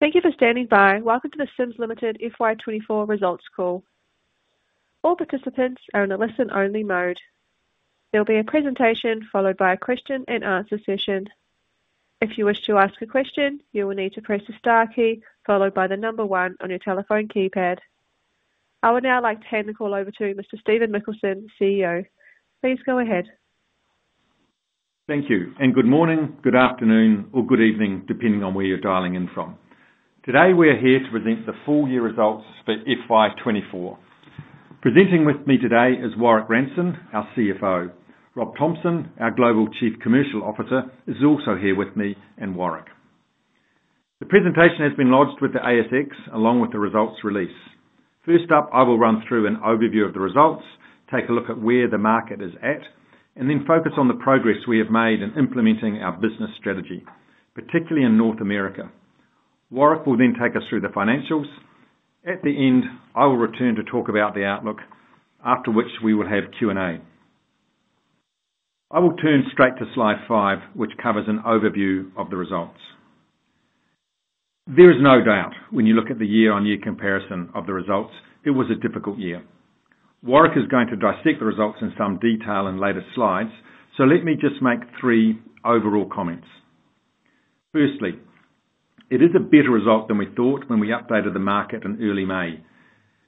Thank you for standing by. Welcome to the Sims Limited FY 2024 results call. All participants are in a listen-only mode. There will be a presentation followed by a question and answer session. If you wish to ask a question, you will need to press the star key, followed by the number one on your telephone keypad. I would now like to hand the call over to Mr. Stephen Mikkelsen, CEO. Please go ahead. Thank you, and good morning, good afternoon, or good evening, depending on where you're dialing in from. Today, we are here to present the full year results for FY 2024. Presenting with me today is Warrick Ranson, our CFO. Rob Thompson, our Global Chief Commercial Officer, is also here with me and Warrick. The presentation has been lodged with the ASX, along with the results release. First up, I will run through an overview of the results, take a look at where the market is at, and then focus on the progress we have made in implementing our business strategy, particularly in North America. Warrick will then take us through the financials. At the end, I will return to talk about the outlook, after which we will have Q&A. I will turn straight to slide five, which covers an overview of the results. There is no doubt, when you look at the year-on-year comparison of the results, it was a difficult year. Warrick is going to dissect the results in some detail in later slides, so let me just make three overall comments. Firstly, it is a better result than we thought when we updated the market in early May.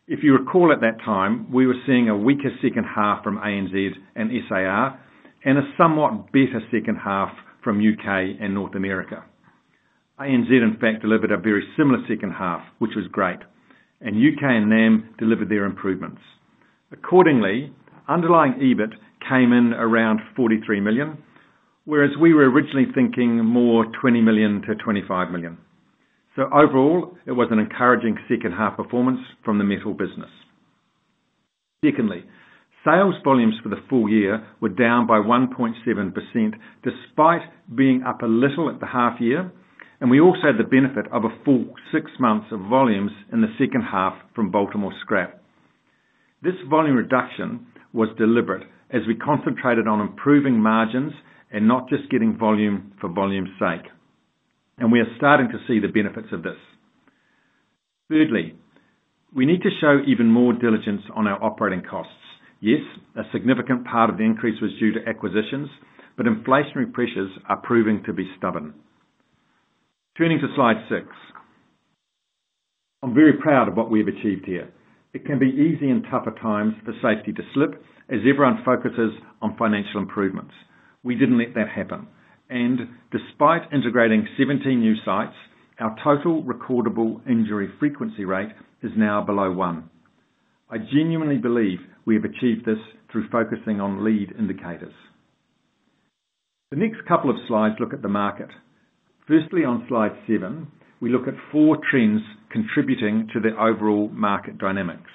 If you recall, at that time, we were seeing a weaker second half from ANZ and SAR, and a somewhat better second half from U.K. and North America. ANZ, in fact, delivered a very similar second half, which was great, and U.K. and NAM delivered their improvements. Accordingly, underlying EBIT came in around 43 million, whereas we were originally thinking more 20 million to 25 million. So overall, it was an encouraging second half performance from the metal business. Secondly, sales volumes for the full year were down by 1.7%, despite being up a little at the half year, and we also had the benefit of a full six months of volumes in the second half from Baltimore Scrap. This volume reduction was deliberate, as we concentrated on improving margins and not just getting volume for volume's sake, and we are starting to see the benefits of this. Thirdly, we need to show even more diligence on our operating costs. Yes, a significant part of the increase was due to acquisitions, but inflationary pressures are proving to be stubborn. Turning to slide six. I'm very proud of what we've achieved here. It can be easy in tougher times for safety to slip as everyone focuses on financial improvements. We didn't let that happen, and despite integrating seventeen new sites, our total recordable injury frequency rate is now below one. I genuinely believe we have achieved this through focusing on lead indicators. The next couple of slides look at the market. Firstly, on slide seven, we look at four trends contributing to the overall market dynamics.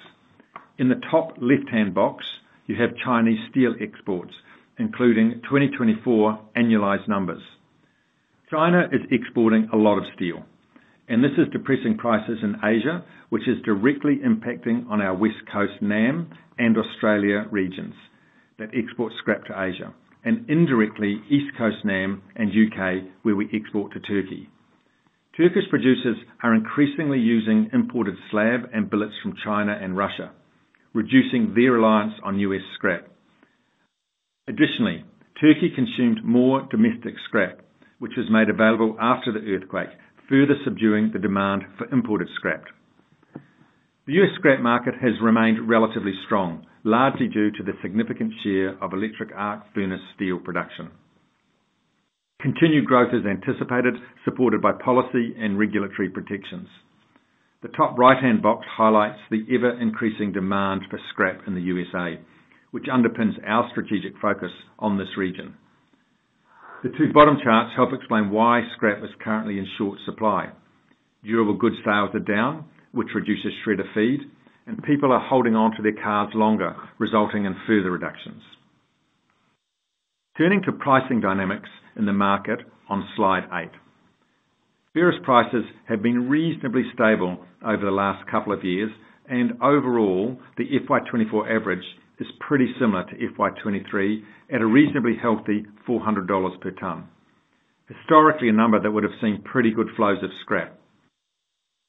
In the top left-hand box, you have Chinese steel exports, including 2024 annualized numbers. China is exporting a lot of steel, and this is depressing prices in Asia, which is directly impacting on our West Coast NAM and Australia regions that export scrap to Asia, and indirectly, East Coast NAM and U.K., where we export to Turkey. Turkish producers are increasingly using imported slab and billets from China and Russia, reducing their reliance on U.S. scrap. Additionally, Turkey consumed more domestic scrap, which was made available after the earthquake, further subduing the demand for imported scrap. The U.S. scrap market has remained relatively strong, largely due to the significant share of electric arc furnace steel production. Continued growth is anticipated, supported by policy and regulatory protections. The top right-hand box highlights the ever-increasing demand for scrap in the U.S.A., which underpins our strategic focus on this region. The two bottom charts help explain why scrap is currently in short supply. Durable goods sales are down, which reduces shredder feed, and people are holding on to their cars longer, resulting in further reductions. Turning to pricing dynamics in the market on Slide eight. Ferrous prices have been reasonably stable over the last couple of years, and overall, the FY 2024 average is pretty similar to FY 2023 at a reasonably healthy $400 per tonne. Historically, a number that would have seen pretty good flows of scrap.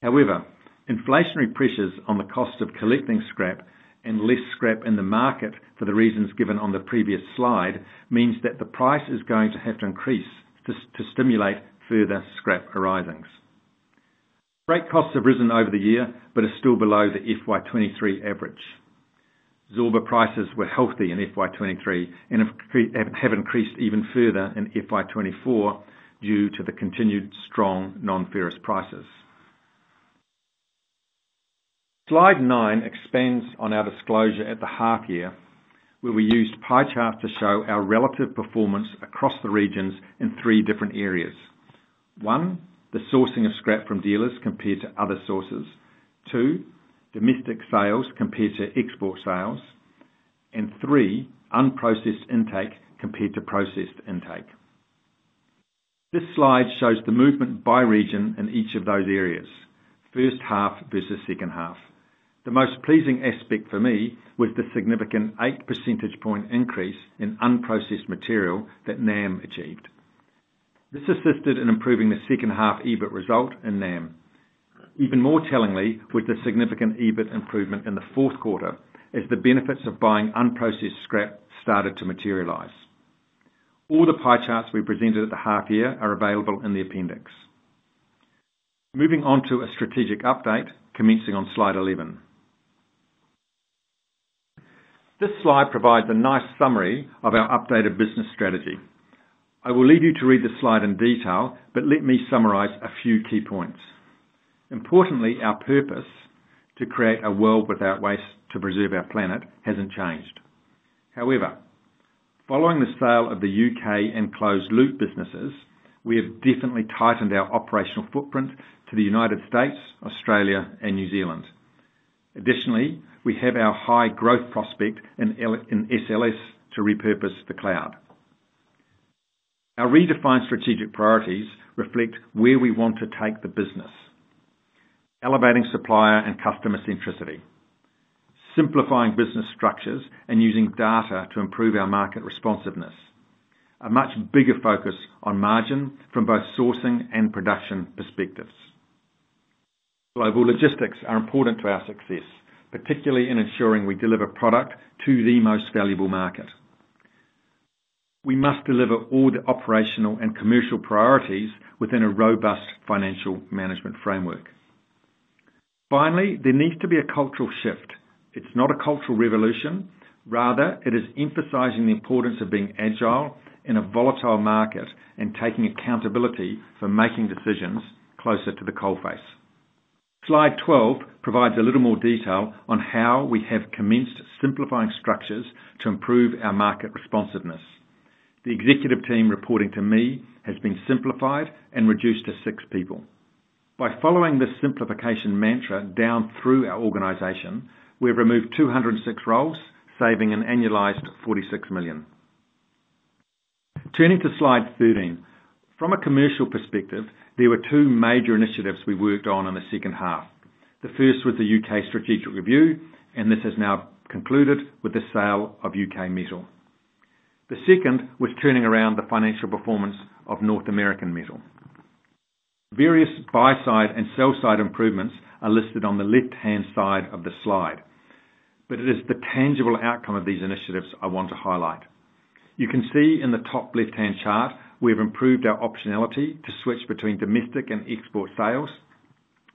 However, inflationary pressures on the cost of collecting scrap and less scrap in the market for the reasons given on the previous slide, means that the price is going to have to increase to, to stimulate further scrap arisings. Freight costs have risen over the year but are still below the FY 2023 average. Zorba prices were healthy in FY 2023 and have increased, have increased even further in FY 2024 due to the continued strong non-ferrous prices. Slide nine expands on our disclosure at the half year, where we used pie charts to show our relative performance across the regions in three different areas. One, the sourcing of scrap from dealers compared to other sources. Two, domestic sales compared to export sales. And three, unprocessed intake compared to processed intake. This slide shows the movement by region in each of those areas, first half versus second half. The most pleasing aspect for me was the significant eight percentage points increase in unprocessed material that NAM achieved. This assisted in improving the second half EBIT result in NAM. Even more tellingly, with the significant EBIT improvement in the fourth quarter, as the benefits of buying unprocessed scrap started to materialize. All the pie charts we presented at the half year are available in the appendix. Moving on to a strategic update, commencing on Slide 11. This slide provides a nice summary of our updated business strategy. I will leave you to read the slide in detail, but let me summarize a few key points. Importantly, our purpose, to create a world without waste to preserve our planet, hasn't changed. However, following the sale of the U.K. and Closed Loop businesses, we have definitely tightened our operational footprint to the United States, Australia, and New Zealand. Additionally, we have our high growth prospect in SLS to repurpose the cloud. Our redefined strategic priorities reflect where we want to take the business: elevating supplier and customer centricity, simplifying business structures, and using data to improve our market responsiveness. A much bigger focus on margin from both sourcing and production perspectives. Global logistics are important to our success, particularly in ensuring we deliver product to the most valuable market. We must deliver all the operational and commercial priorities within a robust financial management framework. Finally, there needs to be a cultural shift. It's not a cultural revolution, rather, it is emphasizing the importance of being agile in a volatile market, and taking accountability for making decisions closer to the coalface. Slide 12 provides a little more detail on how we have commenced simplifying structures to improve our market responsiveness. The executive team reporting to me has been simplified and reduced to six people. By following this simplification mantra down through our organization, we have removed 206 roles, saving an annualized 46 million. Turning to Slide 13. From a commercial perspective, there were two major initiatives we worked on in the second half. The first was the U.K. strategic review, and this has now concluded with the sale of U.K. Metal. The second was turning around the financial performance of North American Metal. Various buy side and sell side improvements are listed on the left-hand side of the slide, but it is the tangible outcome of these initiatives I want to highlight. You can see in the top left-hand chart, we've improved our optionality to switch between domestic and export sales,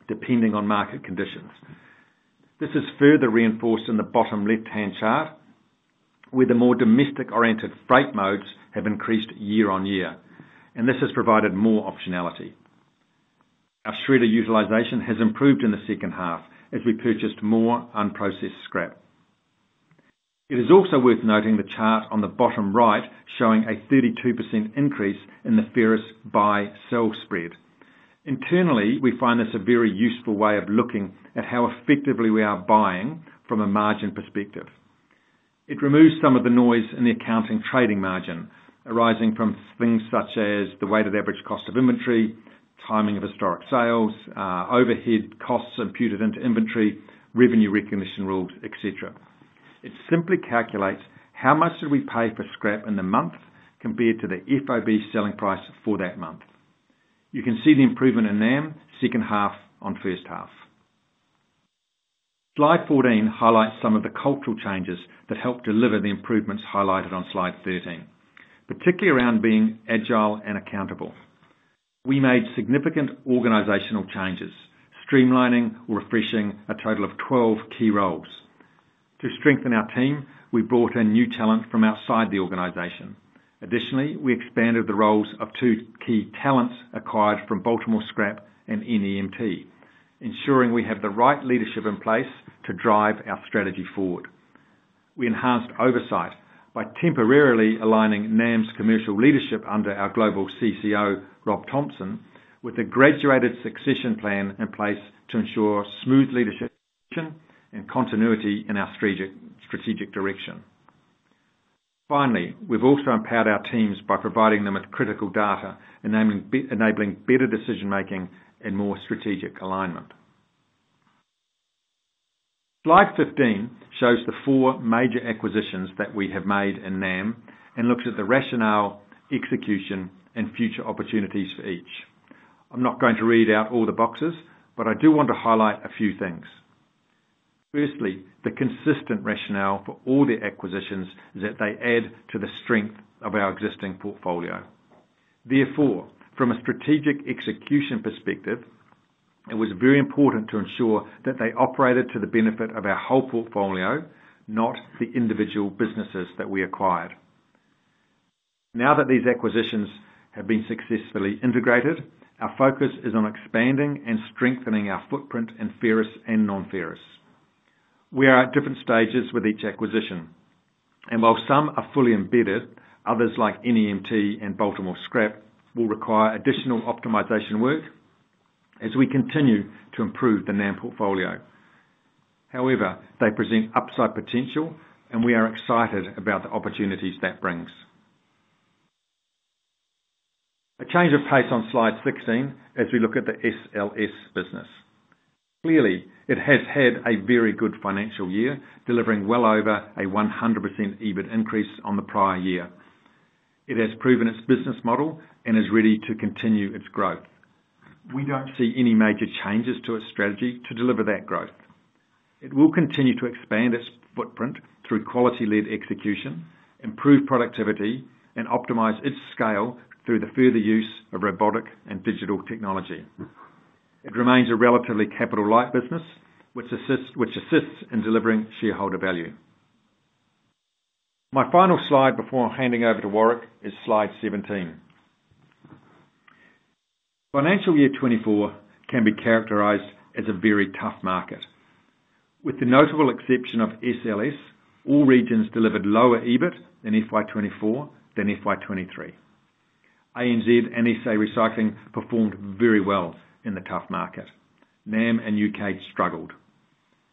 depending on market conditions. This is further reinforced in the bottom left-hand chart, where the more domestic-oriented freight modes have increased year on year, and this has provided more optionality. Our shredder utilization has improved in the second half as we purchased more unprocessed scrap. It is also worth noting the chart on the bottom right, showing a 32% increase in the ferrous buy/sell spread. Internally, we find this a very useful way of looking at how effectively we are buying from a margin perspective. It removes some of the noise in the accounting trading margin, arising from things such as the weighted average cost of inventory, timing of historic sales, overhead costs imputed into inventory, revenue recognition rules, et cetera. It simply calculates how much did we pay for scrap in the month, compared to the FOB selling price for that month. You can see the improvement in NAM, second half on first half. Slide 14 highlights some of the cultural changes that helped deliver the improvements highlighted on Slide 13, particularly around being agile and accountable. We made significant organizational changes, streamlining or refreshing a total of 12 key roles. To strengthen our team, we brought in new talent from outside the organization. Additionally, we expanded the roles of 2 key talents acquired from Baltimore Scrap and NEMT, ensuring we have the right leadership in place to drive our strategy forward. We enhanced oversight by temporarily aligning NAM's commercial leadership under our Global CCO, Rob Thompson, with a graduated succession plan in place to ensure smooth leadership transition and continuity in our strategic direction. Finally, we've also empowered our teams by providing them with critical data, enabling better decision-making and more strategic alignment. Slide 15 shows the four major acquisitions that we have made in NAM, and looks at the rationale, execution, and future opportunities for each. I'm not going to read out all the boxes, but I do want to highlight a few things. Firstly, the consistent rationale for all the acquisitions is that they add to the strength of our existing portfolio. Therefore, from a strategic execution perspective, it was very important to ensure that they operated to the benefit of our whole portfolio, not the individual businesses that we acquired. Now that these acquisitions have been successfully integrated, our focus is on expanding and strengthening our footprint in ferrous and non-ferrous. We are at different stages with each acquisition, and while some are fully embedded, others, like NEMT and Baltimore Scrap, will require additional optimization work as we continue to improve the NAM portfolio. However, they present upside potential, and we are excited about the opportunities that brings. A change of pace on Slide 16, as we look at the SLS business. Clearly, it has had a very good financial year, delivering well over 100% EBIT increase on the prior year. It has proven its business model and is ready to continue its growth. We don't see any major changes to its strategy to deliver that growth. It will continue to expand its footprint through quality-led execution, improve productivity, and optimize its scale through the further use of robotic and digital technology. It remains a relatively capital-light business, which assists in delivering shareholder value. My final slide before handing over to Warrick is Slide 17. Financial year 2024 can be characterized as a very tough market. With the notable exception of SLS, all regions delivered lower EBIT than FY 2023. ANZ and SA Recycling performed very well in the tough market. NAM and U.K. struggled,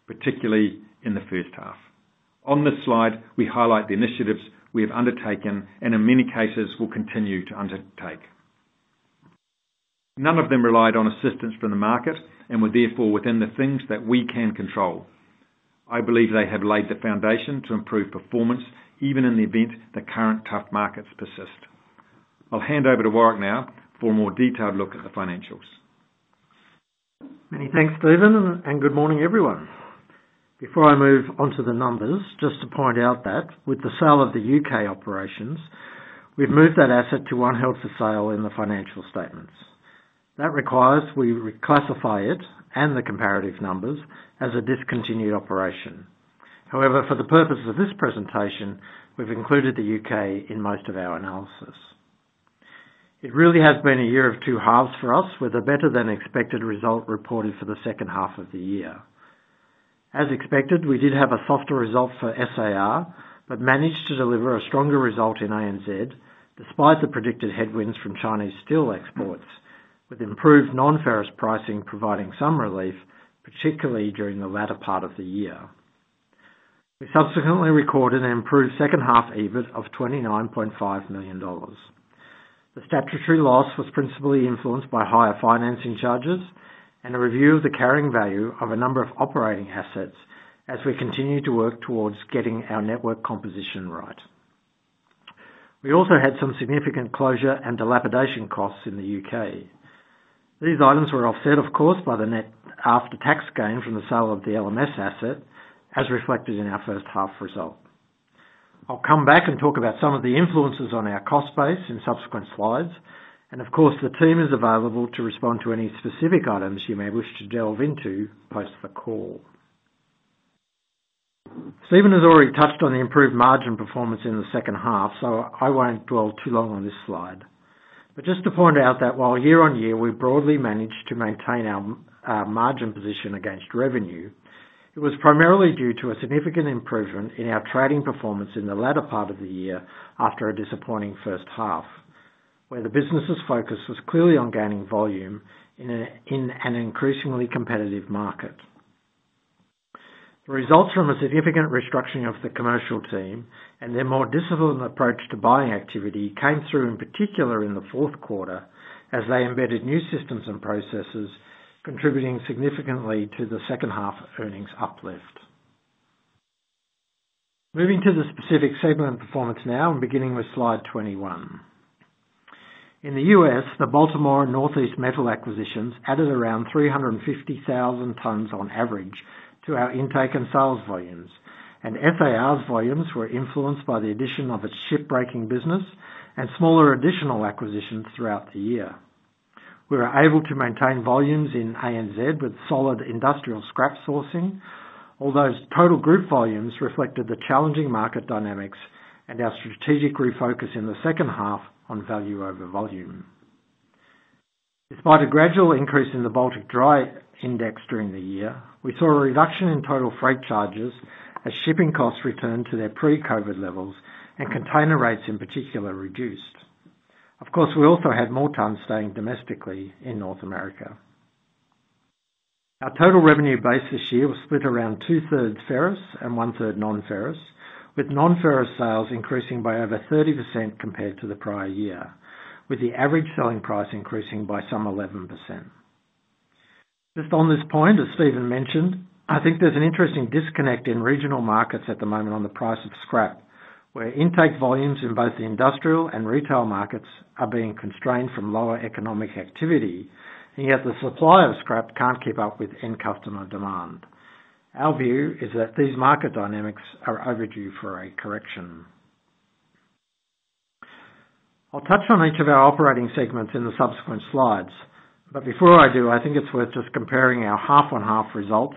particularly in the first half. On this slide, we highlight the initiatives we have undertaken, and in many cases, will continue to undertake. None of them relied on assistance from the market and were therefore within the things that we can control. I believe they have laid the foundation to improve performance, even in the event the current tough markets persist. I'll hand over to Warrick now for a more detailed look at the financials. Many thanks, Stephen, and good morning, everyone. Before I move on to the numbers, just to point out that with the sale of the U.K. operations, we've moved that asset to one held for sale in the financial statements. That requires we reclassify it and the comparative numbers as a discontinued operation. However, for the purpose of this presentation, we've included the U.K. in most of our analysis. It really has been a year of two halves for us, with a better-than-expected result reported for the second half of the year. As expected, we did have a softer result for SAR, but managed to deliver a stronger result in ANZ, despite the predicted headwinds from Chinese steel exports, with improved non-ferrous pricing providing some relief, particularly during the latter part of the year. We subsequently recorded an improved second half EBIT of 29.5 million dollars. The statutory loss was principally influenced by higher financing charges and a review of the carrying value of a number of operating assets as we continue to work towards getting our network composition right. We also had some significant closure and dilapidation costs in the U.K. These items were offset, of course, by the net after-tax gain from the sale of the LMS asset, as reflected in our first half result. I'll come back and talk about some of the influences on our cost base in subsequent slides, and of course, the team is available to respond to any specific items you may wish to delve into post the call. Stephen has already touched on the improved margin performance in the second half, so I won't dwell too long on this slide. But just to point out that while year-on-year, we broadly managed to maintain our margin position against revenue, it was primarily due to a significant improvement in our trading performance in the latter part of the year after a disappointing first half, where the business's focus was clearly on gaining volume in an increasingly competitive market. The results from a significant restructuring of the commercial team and their more disciplined approach to buying activity came through, in particular, in the fourth quarter, as they embedded new systems and processes, contributing significantly to the second half earnings uplift. Moving to the specific segment performance now, and beginning with Slide 21. In the U.S., the Baltimore and Northeast Metals acquisitions added around 350,000 tons on average to our intake and sales volumes, and SAR's volumes were influenced by the addition of its shipbreaking business and smaller additional acquisitions throughout the year. We were able to maintain volumes in ANZ with solid industrial scrap sourcing, although total group volumes reflected the challenging market dynamics and our strategic refocus in the second half on value over volume. Despite a gradual increase in the Baltic Dry Index during the year, we saw a reduction in total freight charges as shipping costs returned to their pre-COVID levels, and container rates, in particular, reduced. Of course, we also had more tons staying domestically in North America. Our total revenue base this year was split around two-thirds ferrous and one-third non-ferrous, with non-ferrous sales increasing by over 30% compared to the prior year, with the average selling price increasing by some 11%. Just on this point, as Stephen mentioned, I think there's an interesting disconnect in regional markets at the moment on the price of scrap, where intake volumes in both the industrial and retail markets are being constrained from lower economic activity, and yet the supply of scrap can't keep up with end customer demand. Our view is that these market dynamics are overdue for a correction. I'll touch on each of our operating segments in the subsequent slides, but before I do, I think it's worth just comparing our half-on-half results,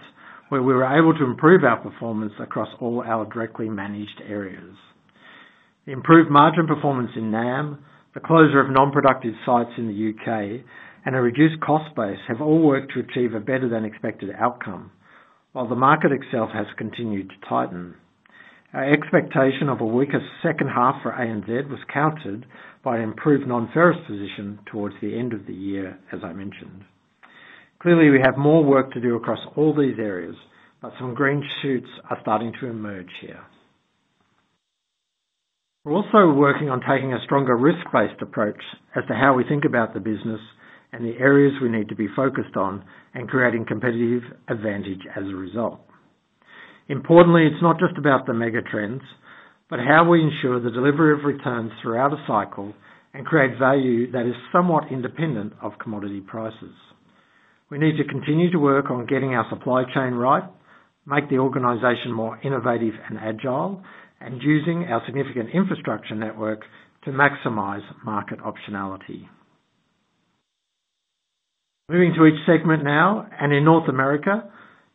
where we were able to improve our performance across all our directly managed areas. Improved margin performance in NAM, the closure of non-productive sites in the U.K., and a reduced cost base have all worked to achieve a better-than-expected outcome, while the market itself has continued to tighten. Our expectation of a weaker second half for ANZ was countered by an improved non-ferrous position towards the end of the year, as I mentioned....Clearly, we have more work to do across all these areas, but some green shoots are starting to emerge here. We're also working on taking a stronger risk-based approach as to how we think about the business and the areas we need to be focused on, and creating competitive advantage as a result. Importantly, it's not just about the mega trends, but how we ensure the delivery of returns throughout a cycle and create value that is somewhat independent of commodity prices. We need to continue to work on getting our supply chain right, make the organization more innovative and agile, and using our significant infrastructure network to maximize market optionality. Moving to each segment now, and in North America,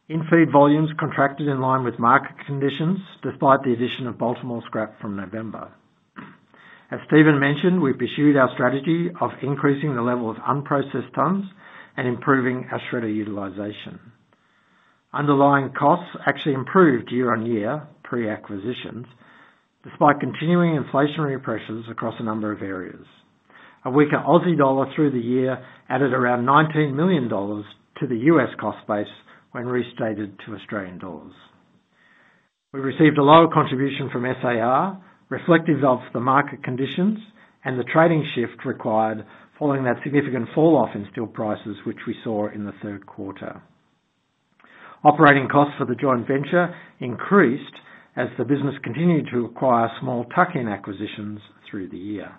in-feed volumes contracted in line with market conditions, despite the addition of Baltimore Scrap from November. As Stephen mentioned, we've pursued our strategy of increasing the level of unprocessed tons and improving our shredder utilization. Underlying costs actually improved year-on-year, pre-acquisitions, despite continuing inflationary pressures across a number of areas. A weaker Aussie dollar through the year added around 19 million dollars to the U.S. cost base when restated to Australian dollars. We received a lower contribution from SAR, reflective of the market conditions and the trading shift required following that significant falloff in steel prices, which we saw in the third quarter. Operating costs for the joint venture increased as the business continued to acquire small tuck-in acquisitions through the year.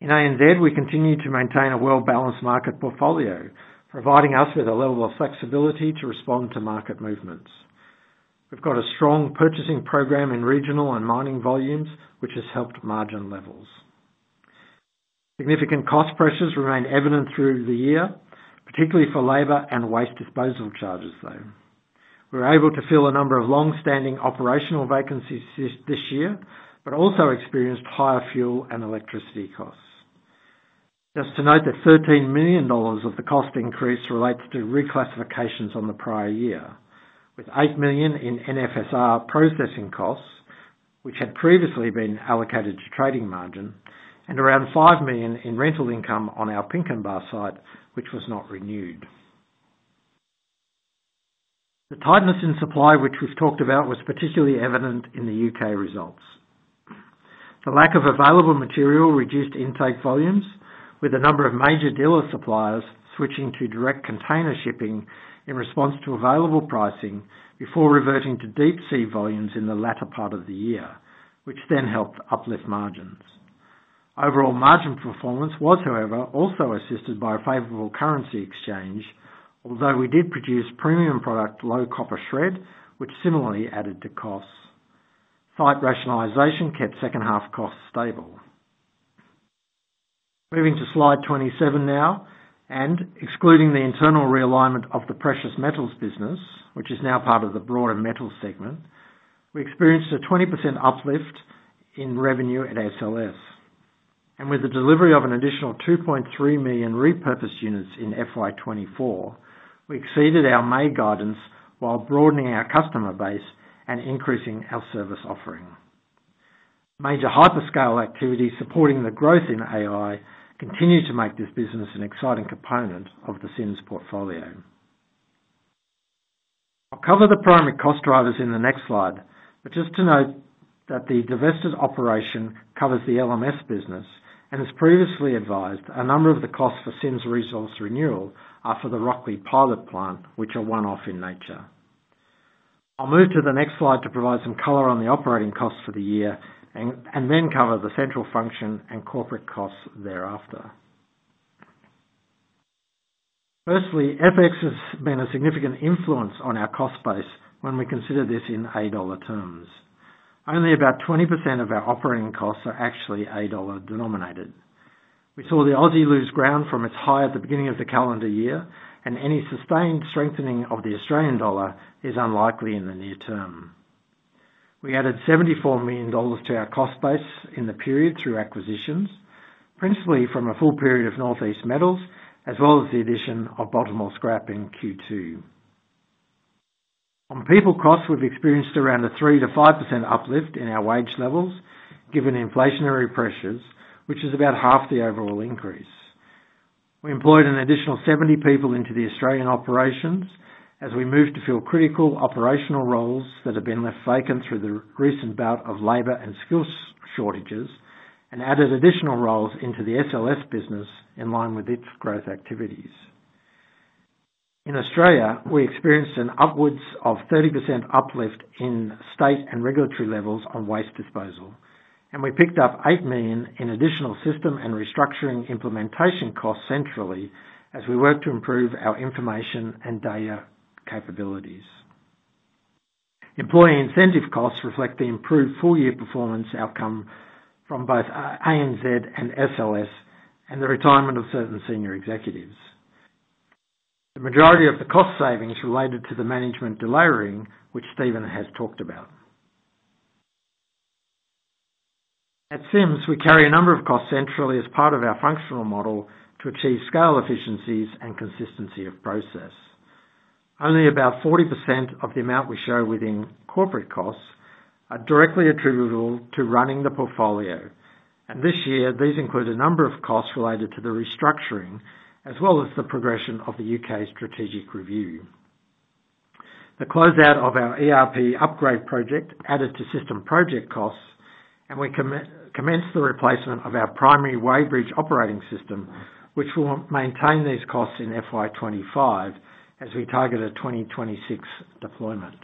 In ANZ, we continued to maintain a well-balanced market portfolio, providing us with a level of flexibility to respond to market movements. We've got a strong purchasing program in regional and mining volumes, which has helped margin levels. Significant cost pressures remained evident through the year, particularly for labor and waste disposal charges, though. We were able to fill a number of long-standing operational vacancies this year, but also experienced higher fuel and electricity costs. Just to note that 13 million dollars of the cost increase relates to reclassifications on the prior year, with 8 million in non-ferrous processing costs, which had previously been allocated to trading margin, and around 5 million in rental income on our Pinkenba site, which was not renewed. The tightness in supply, which we've talked about, was particularly evident in the U.K. results. The lack of available material reduced intake volumes, with a number of major dealer suppliers switching to direct container shipping in response to available pricing, before reverting to deep-sea volumes in the latter part of the year, which then helped uplift margins. Overall margin performance was, however, also assisted by a favorable currency exchange, although we did produce premium product, low copper shred, which similarly added to costs. Site rationalization kept second half costs stable. Moving to Slide 27 now, and excluding the internal realignment of the precious metals business, which is now part of the broader metal segment, we experienced a 20% uplift in revenue at SLS. And with the delivery of an additional 2.3 million repurposed units in FY 2024, we exceeded our May guidance while broadening our customer base and increasing our service offering. Major hyperscale activities supporting the growth in AI continue to make this business an exciting component of the Sims portfolio. I'll cover the primary cost drivers in the next slide, but just to note that the divested operation covers the LMS business, and as previously advised, a number of the costs for Sims Resource Renewal are for the Rocklea pilot plant, which are one-off in nature. I'll move to the next slide to provide some color on the operating costs for the year, and then cover the central function and corporate costs thereafter. Firstly, FX has been a significant influence on our cost base when we consider this in AUD terms. Only about 20% of our operating costs are actually AUD-denominated. We saw the Aussie lose ground from its high at the beginning of the calendar year, and any sustained strengthening of the Australian dollar is unlikely in the near term. We added 74 million dollars to our cost base in the period through acquisitions, principally from a full period of Northeast Metals, as well as the addition of Baltimore Scrap in Q2. On people costs, we've experienced around a 3%-5% uplift in our wage levels, given the inflationary pressures, which is about half the overall increase. We employed an additional 70 people into the Australian operations as we moved to fill critical operational roles that have been left vacant through the recent bout of labor and skills shortages, and added additional roles into the SLS business in line with its growth activities. In Australia, we experienced an upwards of 30% uplift in state and regulatory levels on waste disposal, and we picked up 8 million in additional system and restructuring implementation costs centrally as we work to improve our information and data capabilities. Employee incentive costs reflect the improved full-year performance outcome from both, ANZ and SLS, and the retirement of certain senior executives. The majority of the cost savings related to the management delayering, which Stephen has talked about. At Sims, we carry a number of costs centrally as part of our functional model to achieve scale efficiencies and consistency of process. Only about 40% of the amount we show within corporate costs are directly attributable to running the portfolio, and this year, these include a number of costs related to the restructuring, as well as the progression of the U.K. strategic review. The closeout of our ERP upgrade project added to system project costs, and we commenced the replacement of our primary weighbridge operating system, which will maintain these costs in FY 2025 as we target a 2026 deployment.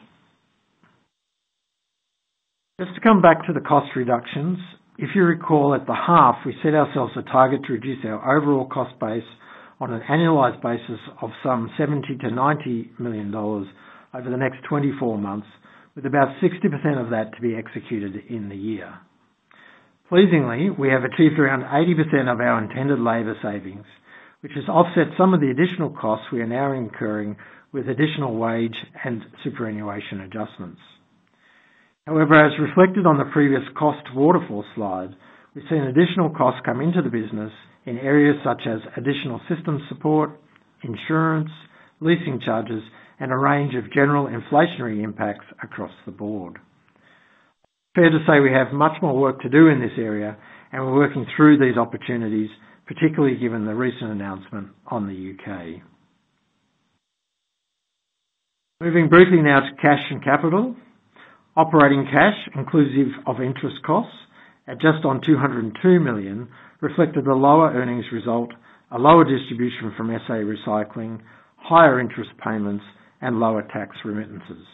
Just to come back to the cost reductions, if you recall, at the half, we set ourselves a target to reduce our overall cost base on an annualized basis of some 70-90 million dollars over the next 24 months, with about 60% of that to be executed in the year. Pleasingly, we have achieved around 80% of our intended labor savings, which has offset some of the additional costs we are now incurring with additional wage and superannuation adjustments. However, as reflected on the previous cost waterfall slide, we've seen additional costs come into the business in areas such as additional system support, insurance, leasing charges, and a range of general inflationary impacts across the board. Fair to say we have much more work to do in this area, and we're working through these opportunities, particularly given the recent announcement on the U.K. Moving briefly now to cash and capital. Operating cash, inclusive of interest costs, at just on 202 million, reflected the lower earnings result, a lower distribution from SA Recycling, higher interest payments, and lower tax remittances.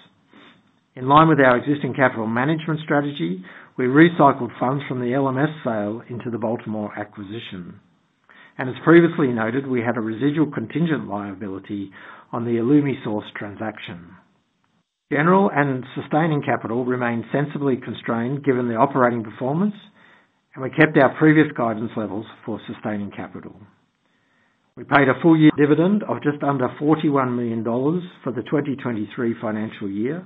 In line with our existing capital management strategy, we recycled funds from the LMS sale into the Baltimore acquisition, and as previously noted, we had a residual contingent liability on the AlumiSource transaction. General and sustaining capital remained sensibly constrained given the operating performance, and we kept our previous guidance levels for sustaining capital. We paid a full year dividend of just under 41 million dollars for the 2023 financial year,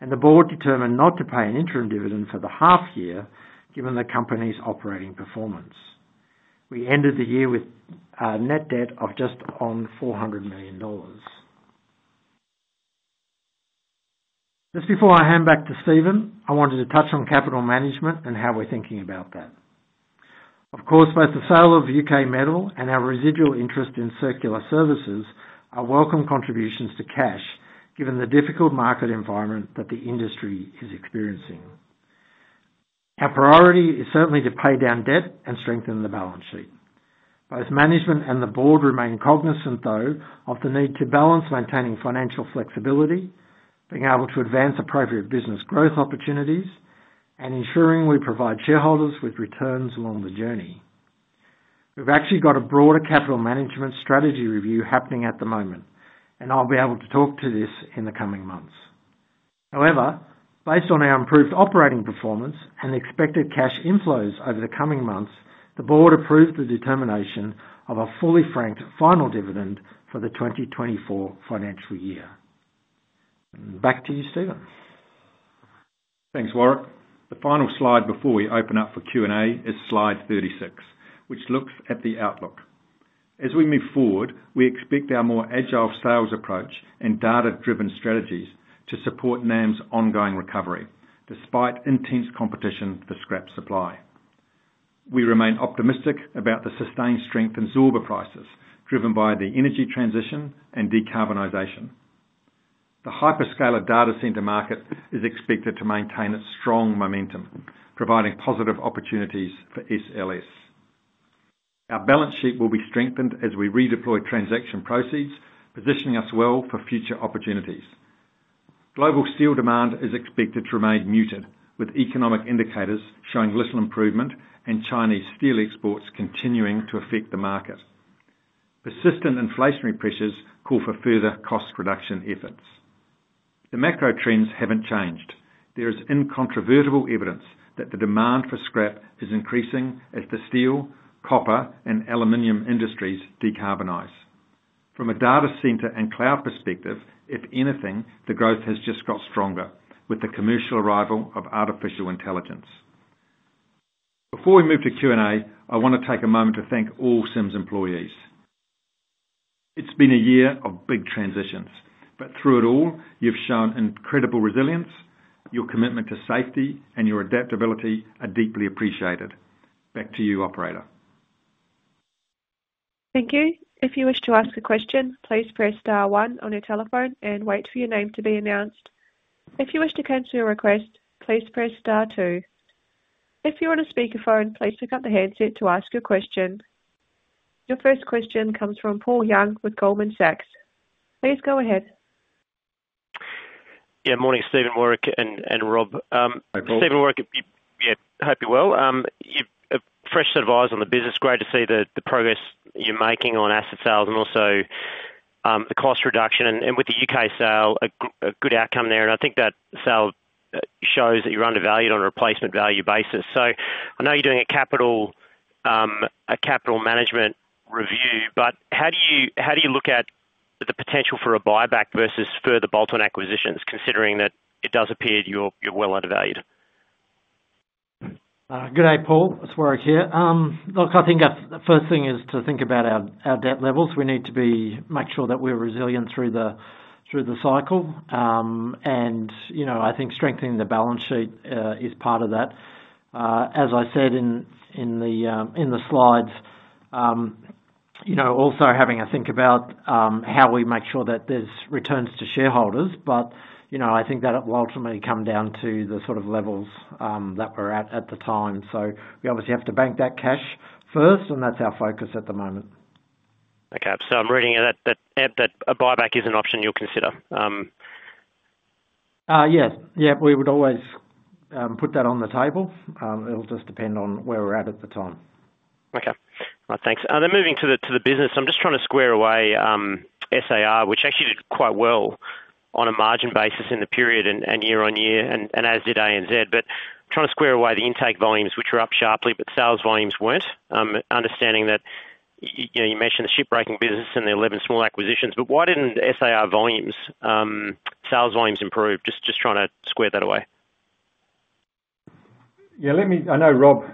and the board determined not to pay an interim dividend for the half year, given the company's operating performance. We ended the year with a net debt of just on 400 million dollars. Just before I hand back to Stephen, I wanted to touch on capital management and how we're thinking about that. Of course, both the sale of U.K. Metal and our residual interest in Circular Services are welcome contributions to cash, given the difficult market environment that the industry is experiencing. Our priority is certainly to pay down debt and strengthen the balance sheet. Both management and the board remain cognizant, though, of the need to balance maintaining financial flexibility, being able to advance appropriate business growth opportunities, and ensuring we provide shareholders with returns along the journey. We've actually got a broader capital management strategy review happening at the moment, and I'll be able to talk to this in the coming months. However, based on our improved operating performance and expected cash inflows over the coming months, the board approved the determination of a fully franked final dividend for the 2024 financial year. Back to you, Stephen. Thanks, Warrick. The final slide before we open up for Q&A is Slide 36, which looks at the outlook. As we move forward, we expect our more agile sales approach and data-driven strategies to support NAM's ongoing recovery, despite intense competition for scrap supply. We remain optimistic about the sustained strength in silver prices, driven by the energy transition and decarbonization. The hyperscaler data center market is expected to maintain its strong momentum, providing positive opportunities for SLS. Our balance sheet will be strengthened as we redeploy transaction proceeds, positioning us well for future opportunities. Global steel demand is expected to remain muted, with economic indicators showing little improvement and Chinese steel exports continuing to affect the market. Persistent inflationary pressures call for further cost reduction efforts. The macro trends haven't changed. There is incontrovertible evidence that the demand for scrap is increasing as the steel, copper, and aluminum industries decarbonize. From a data center and cloud perspective, if anything, the growth has just got stronger with the commercial arrival of artificial intelligence. Before we move to Q&A, I want to take a moment to thank all Sims employees. It's been a year of big transitions, but through it all, you've shown incredible resilience. Your commitment to safety and your adaptability are deeply appreciated. Back to you, operator. Thank you. If you wish to ask a question, please press star one on your telephone and wait for your name to be announced. If you wish to cancel your request, please press star two. If you're on a speakerphone, please pick up the handset to ask your question. Your first question comes from Paul Young with Goldman Sachs. Please go ahead. Yeah, morning, Stephen, Warrick, and Rob. Stephen, Warrick, yeah, hope you're well. You've a fresh set of eyes on the business. Great to see the progress you're making on asset sales and also the cost reduction and with the U.K. sale, a good outcome there. I think that sale shows that you're undervalued on a replacement value basis. I know you're doing a capital management review, but how do you look at the potential for a buyback versus further bolt-on acquisitions, considering that it does appear you're well undervalued? ... Good day, Paul. It's Warrick here. Look, I think the first thing is to think about our debt levels. We need to make sure that we're resilient through the cycle. And you know, I think strengthening the balance sheet is part of that. As I said in the slides, you know, also having a think about how we make sure that there's returns to shareholders, but you know, I think that it will ultimately come down to the sort of levels that we're at at the time. So we obviously have to bank that cash first, and that's our focus at the moment. Okay. So I'm reading it that a buyback is an option you'll consider? Yes. Yeah, we would always put that on the table. It'll just depend on where we're at the time. Okay. Right. Thanks. Then moving to the business, I'm just trying to square away SAR, which actually did quite well on a margin basis in the period and year on year, and as did ANZ, but trying to square away the intake volumes, which were up sharply, but sales volumes weren't. Understanding that you know you mentioned the shipbreaking business and the 11 small acquisitions, but why didn't SAR volumes sales volumes improve? Just trying to square that away. Yeah, let me... I know Rob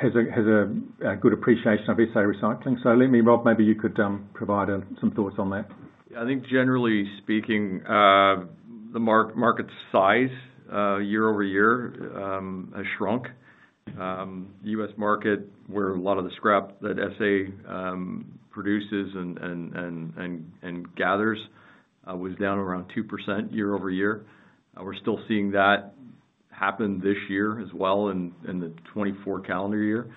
has a good appreciation of SA Recycling. So let me, Rob, maybe you could provide some thoughts on that. I think generally speaking, the market size, year over year, has shrunk. U.S. market, where a lot of the scrap that SA produces and gathers, was down around 2% year over year. We're still seeing that happen this year as well in the 2024 calendar year.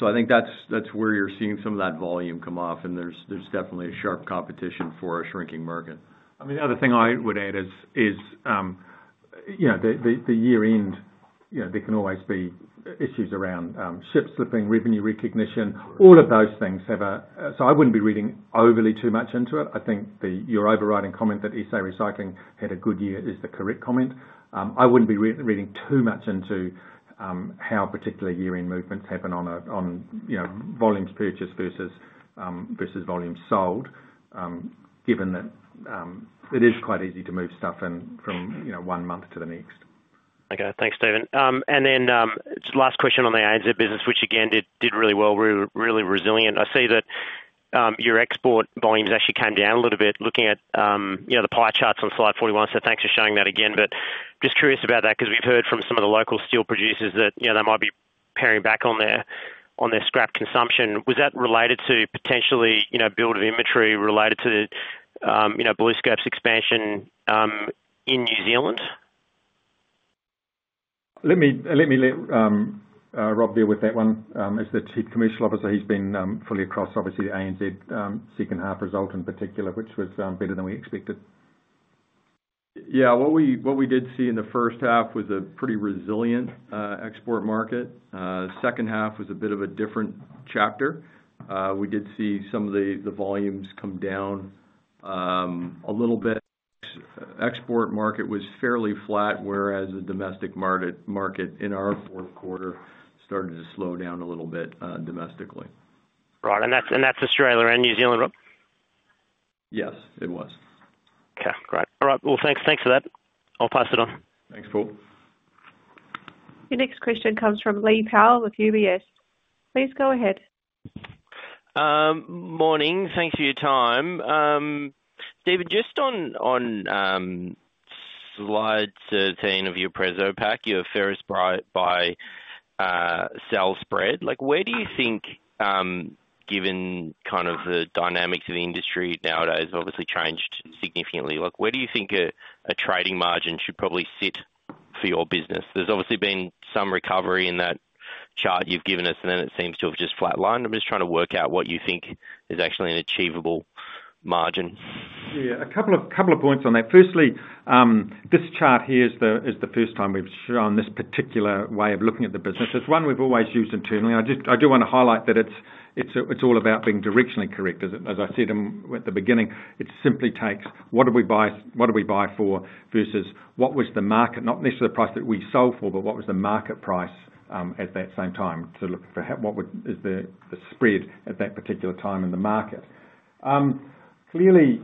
So I think that's where you're seeing some of that volume come off, and there's definitely a sharp competition for a shrinking market. I mean, the other thing I would add is, you know, the year end, you know, there can always be issues around ship slipping, revenue recognition, all of those things have a. So I wouldn't be reading overly too much into it. I think your overriding comment that SA Recycling had a good year is the correct comment. I wouldn't be reading too much into how particular year-end movements happen on a, you know, volumes purchased versus volumes sold, given that it is quite easy to move stuff in from, you know, one month to the next. Okay. Thanks, Stephen. And then, just last question on the ANZ business, which again, did really well, really resilient. I see that your export volumes actually came down a little bit, looking at, you know, the pie charts on Slide 41, so thanks for showing that again, but just curious about that, 'cause we've heard from some of the local steel producers that, you know, they might be paring back on their scrap consumption. Was that related to potentially, you know, build of inventory related to, you know, BlueScope's expansion, in New Zealand? Let me let Rob deal with that one. As the Chief Commercial Officer, he's been fully across, obviously, the ANZ second half result in particular, which was better than we expected. Yeah, what we did see in the first half was a pretty resilient export market. Second half was a bit of a different chapter. We did see some of the volumes come down a little bit. Export market was fairly flat, whereas the domestic market in our fourth quarter started to slow down a little bit, domestically. Right. And that's Australia and New Zealand, Rob? Yes, it was. Okay, great. All right, well, thanks. Thanks for that. I'll pass it on. Thanks, Paul. Your next question comes from Lee Power with UBS. Please go ahead. Morning. Thanks for your time. David, just on Slide 13 of your preso pack, your ferrous buy-sell spread. Like, where do you think, given kind of the dynamics of the industry nowadays, obviously changed significantly, like, where do you think a trading margin should probably sit for your business? There's obviously been some recovery in that chart you've given us, and then it seems to have just flatlined. I'm just trying to work out what you think is actually an achievable margin. Yeah, a couple of points on that. Firstly, this chart here is the first time we've shown this particular way of looking at the business. It's one we've always used internally. I just - I do wanna highlight that it's all about being directionally correct. As I said at the beginning, it simply takes what we buy for versus what was the market, not necessarily the price that we sold for, but what was the market price at that same time to look for what is the spread at that particular time in the market? Clearly,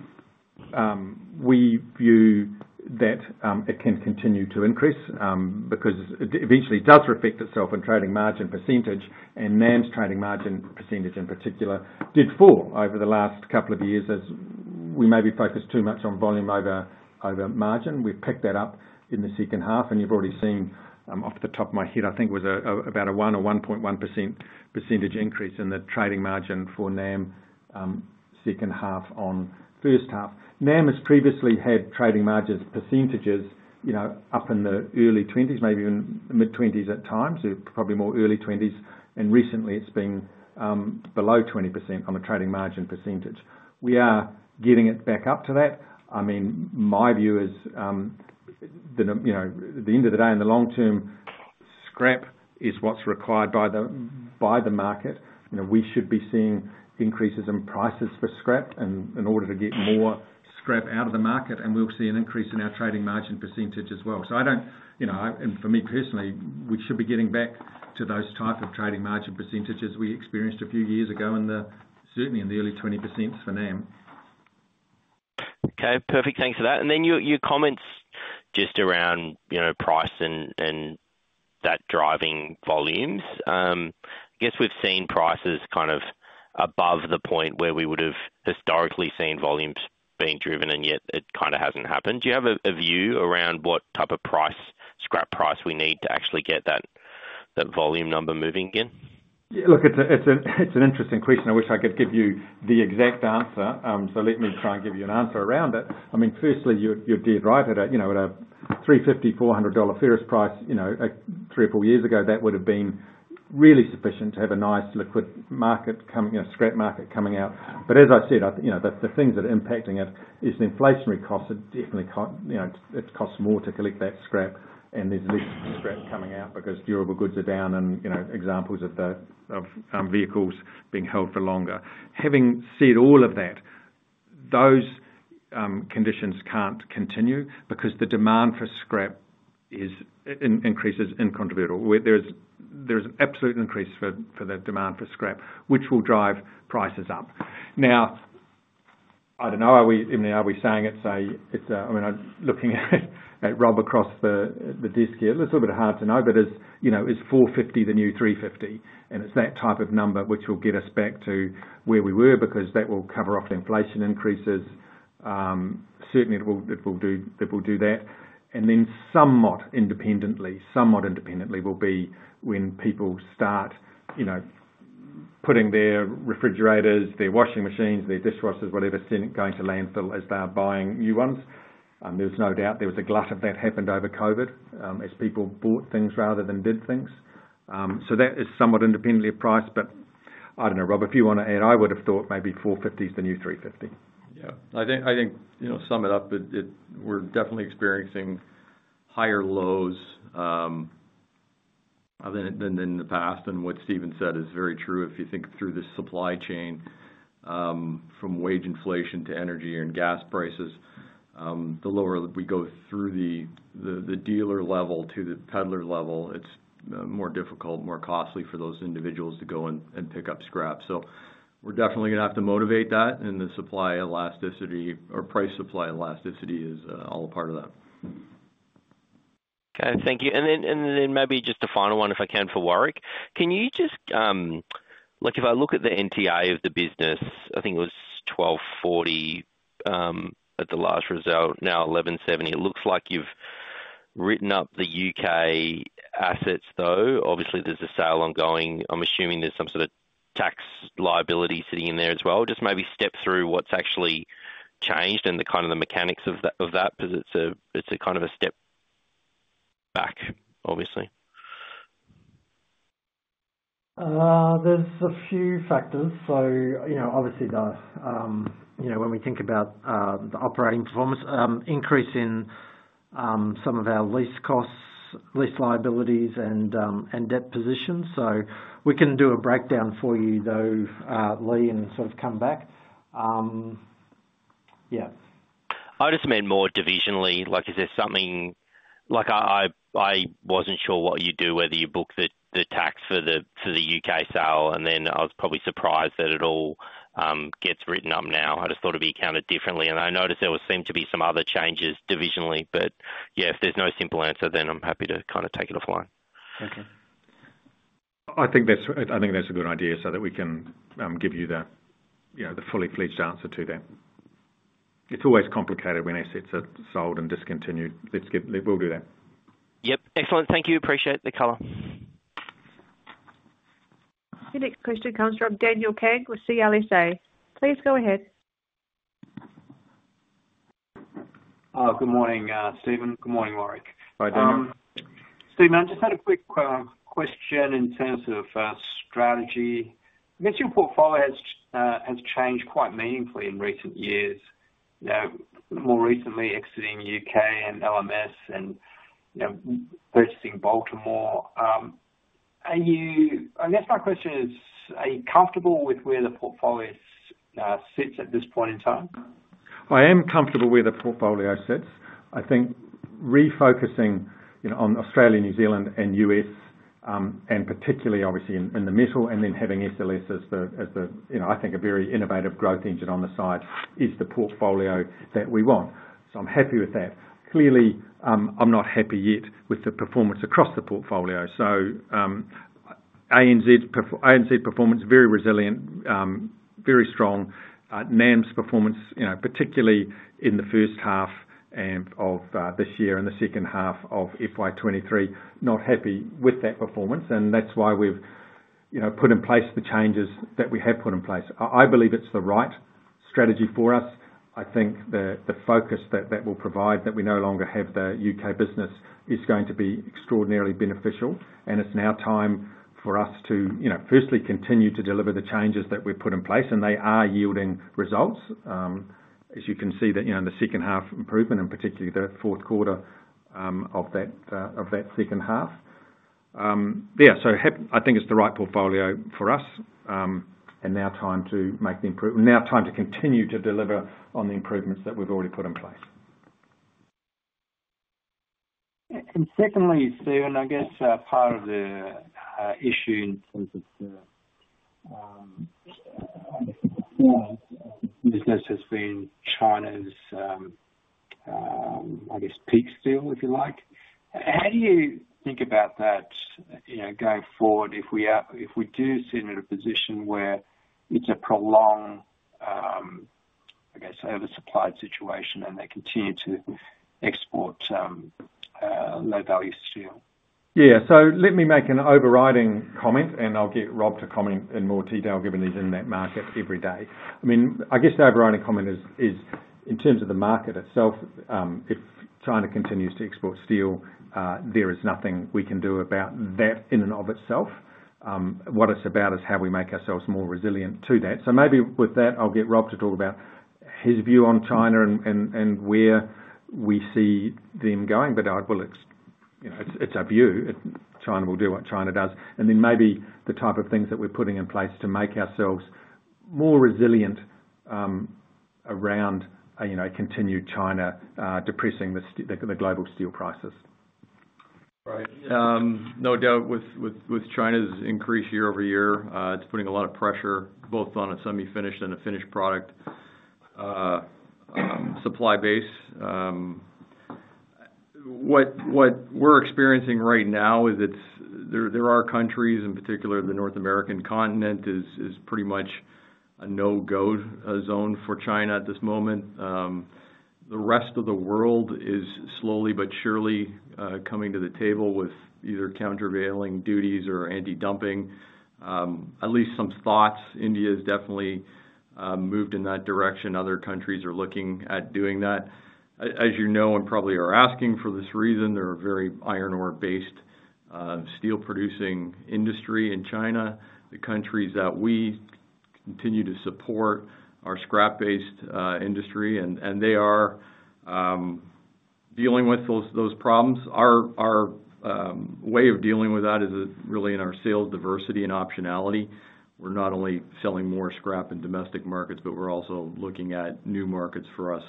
we view that it can continue to increase because it eventually does reflect itself in trading margin percentage, and NAM's trading margin percentage in particular, did fall over the last couple of years, as we maybe focused too much on volume over margin. We've picked that up in the second half, and you've already seen, off the top of my head, I think it was about a one or one point one percent percentage increase in the trading margin for NAM, second half on first half. NAM has previously had trading margins percentages, you know, up in the early twenties, maybe even mid-twenties at times, probably more early twenties, and recently it's been below 20% on a trading margin percentage. We are getting it back up to that. I mean, my view is, you know, at the end of the day, in the long term, scrap is what's required by the market. You know, we should be seeing increases in prices for scrap and in order to get more scrap out of the market, and we'll see an increase in our trading margin percentage as well. So, you know, and for me personally, we should be getting back to those type of trading margin percentages we experienced a few years ago in the, certainly in the early 20% for NAM.... Okay, perfect. Thanks for that. And then your comments just around, you know, price and that driving volumes. I guess we've seen prices kind of above the point where we would've historically seen volumes being driven, and yet it kind of hasn't happened. Do you have a view around what type of price, scrap price we need to actually get that volume number moving again? Yeah, look, it's an interesting question. I wish I could give you the exact answer. So let me try and give you an answer around it. I mean, firstly, you're dead right, you know, at a $350-$400 ferrous price, you know, three or four years ago, that would've been really sufficient to have a nice liquid market coming, you know, scrap market coming out. But as I said, you know, the things that are impacting it is the inflationary costs are definitely co- you know, it costs more to collect that scrap, and there's less scrap coming out because durable goods are down and, you know, examples of the vehicles being held for longer. Having said all of that, those conditions can't continue because the demand for scrap is increasing in North America, where there's an absolute increase for the demand for scrap, which will drive prices up. Now, I don't know, are we, I mean, are we saying it's a, it's a? I mean, I'm looking at Rob across the desk here. It's a little bit hard to know, but as you know, is four fifty the new three fifty? And it's that type of number which will get us back to where we were, because that will cover off the inflation increases. Certainly it will do that. And then somewhat independently, will be when people start, you know, putting their refrigerators, their washing machines, their dishwashers, whatever, going to landfill as they're buying new ones. There's no doubt there was a glut of that happened over COVID, as people bought things rather than did things. So that is somewhat independently of price, but I don't know, Rob, if you wanna add, I would've thought maybe four fifty is the new three fifty. Yeah. I think, you know, sum it up, we're definitely experiencing higher lows than in the past, and what Stephen said is very true. If you think through the supply chain, from wage inflation to energy and gas prices, the lower we go through the dealer level to the peddler level, it's more difficult, more costly for those individuals to go and pick up scrap, so we're definitely gonna have to motivate that, and the supply elasticity or price supply elasticity is all a part of that. Okay, thank you. And then maybe just a final one, if I can, for Warrick. Can you just... Like, if I look at the NTA of the business, I think it was 12.40 at the last result, now 11.70. It looks like you've written up the U.K. assets, though. Obviously, there's a sale ongoing. I'm assuming there's some sort of tax liability sitting in there as well. Just maybe step through what's actually changed and the kind of the mechanics of that, because it's a kind of a step back, obviously. There's a few factors. So, you know, obviously the, you know, when we think about the operating performance increase in some of our lease costs, lease liabilities, and debt positions. So we can do a breakdown for you, though, Lee, and sort of come back. I just meant more divisionally, like, is there something. Like I wasn't sure what you'd do, whether you book the tax for the U.K. sale, and then I was probably surprised that it all gets written up now. I just thought it'd be counted differently, and I noticed there seemed to be some other changes divisionally, but yeah, if there's no simple answer, then I'm happy to kind of take it offline. Thank you. I think that's a good idea, so that we can give you the, you know, the fully fledged answer to that. It's always complicated when assets are sold and discontinued. Let's get. We'll do that. Yep. Excellent. Thank you. Appreciate the color. The next question comes from Daniel Kang with CLSA. Please go ahead. Good morning, Stephen. Good morning, Warrick. Hi, Daniel. Stephen, I just had a quick question in terms of strategy. I guess your portfolio has changed quite meaningfully in recent years. Now, more recently exiting U.K. and LMS and, you know, purchasing Baltimore. Are you comfortable with where the portfolio sits at this point in time? I am comfortable where the portfolio sits. I think refocusing, you know, on Australia, New Zealand, and US, and particularly obviously in the metal, and then having SLS as the, you know, I think a very innovative growth engine on the side, is the portfolio that we want. So I'm happy with that. Clearly, I'm not happy yet with the performance across the portfolio. So, ANZ's performance, very resilient, very strong. NAM's performance, you know, particularly in the first half of this year and the second half of FY 2023, not happy with that performance, and that's why we've, you know, put in place the changes that we have put in place. I believe it's the right strategy for us. I think the focus that that will provide, that we no longer have the U.K. business, is going to be extraordinarily beneficial, and it's now time for us to, you know, firstly continue to deliver the changes that we've put in place, and they are yielding results. As you can see that, you know, in the second half improvement, and particularly the fourth quarter, of that second half. I think it's the right portfolio for us, and now time to continue to deliver on the improvements that we've already put in place.... And secondly, Stephen, I guess, part of the issue in terms of the business has been China's, I guess, peak steel, if you like. How do you think about that, you know, going forward, if we are- if we do sit in a position where it's a prolonged, I guess, oversupplied situation, and they continue to export low-value steel? Yeah. Let me make an overriding comment, and I'll get Rob to comment in more detail, given he's in that market every day. I mean, I guess the overriding comment is in terms of the market itself, if China continues to export steel, there is nothing we can do about that in and of itself. What it's about is how we make ourselves more resilient to that. Maybe with that, I'll get Rob to talk about his view on China and where we see them going. But well, it's, you know, it's our view, China will do what China does, and then maybe the type of things that we're putting in place to make ourselves more resilient around, you know, continued China depressing the global steel prices. Right. No doubt with China's increase year over year, it's putting a lot of pressure both on a semi-finished and a finished product supply base. What we're experiencing right now is there are countries, in particular, the North American continent, is pretty much a no-go zone for China at this moment. The rest of the world is slowly but surely coming to the table with either countervailing duties or anti-dumping. At least some thoughts, India has definitely moved in that direction. Other countries are looking at doing that. As you know, and probably are asking for this reason, they're a very iron ore-based steel-producing industry in China. The countries that we continue to support are scrap-based industry, and they are dealing with those problems. Our way of dealing with that is really in our sales diversity and optionality. We're not only selling more scrap in domestic markets, but we're also looking at new markets for us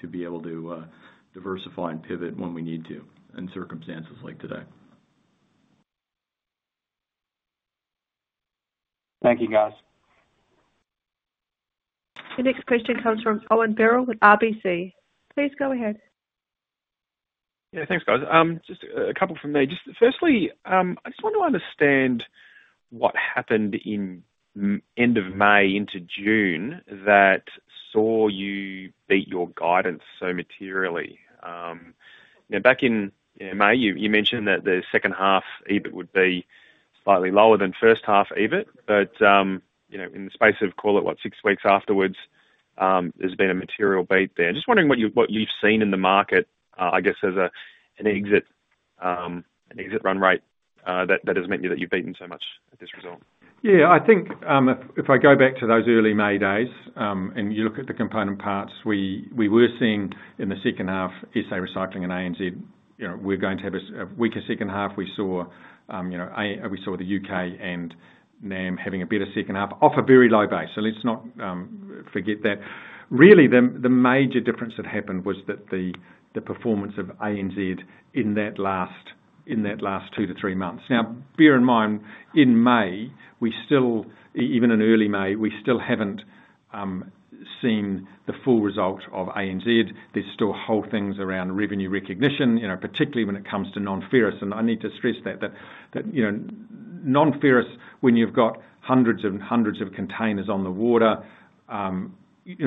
to be able to diversify and pivot when we need to in circumstances like today. Thank you, guys. The next question comes from Owen Birrell with RBC. Please go ahead. Yeah, thanks, guys. Just a couple from me. Just firstly, I just want to understand what happened in end of May into June that saw you beat your guidance so materially. Now, back in, you know, May, you mentioned that the second half, EBIT, would be slightly lower than first half EBIT, but, you know, in the space of, call it what? Six weeks afterwards, there's been a material beat there. Just wondering what you've seen in the market, I guess as an exit run rate, that has meant you've beaten so much at this result. Yeah, I think, if I go back to those early May days, and you look at the component parts, we were seeing in the second half, SA Recycling and ANZ, you know, we're going to have a weaker second half. We saw, you know, we saw the U.K. and NAM having a better second half, off a very low base, so let's not forget that. Really, the major difference that happened was that the performance of ANZ in that last two to three months. Now, bear in mind, in May, we still even in early May, we still haven't seen the full result of ANZ. There's still whole things around revenue recognition, you know, particularly when it comes to non-ferrous. I need to stress that you know, non-ferrous, when you've got hundreds and hundreds of containers on the water, you know,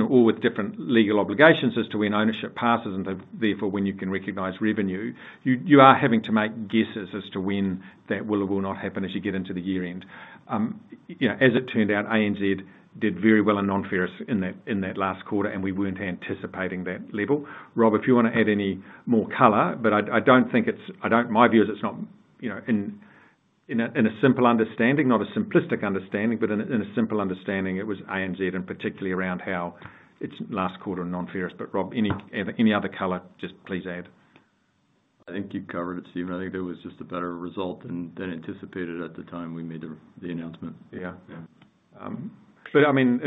all with different legal obligations as to when ownership passes, and therefore, when you can recognize revenue, you are having to make guesses as to when that will or will not happen as you get into the year-end. You know, as it turned out, ANZ did very well in non-ferrous in that last quarter, and we weren't anticipating that level. Rob, if you wanna add any more color, but I don't think it's. My view is it's not you know, in a simple understanding, not a simplistic understanding, but in a simple understanding, it was ANZ and particularly around how its last quarter in non-ferrous. But Rob, any other color, just please add. I think you've covered it, Stephen. I think there was just a better result than anticipated at the time we made the announcement. Yeah. Yeah. But I mean,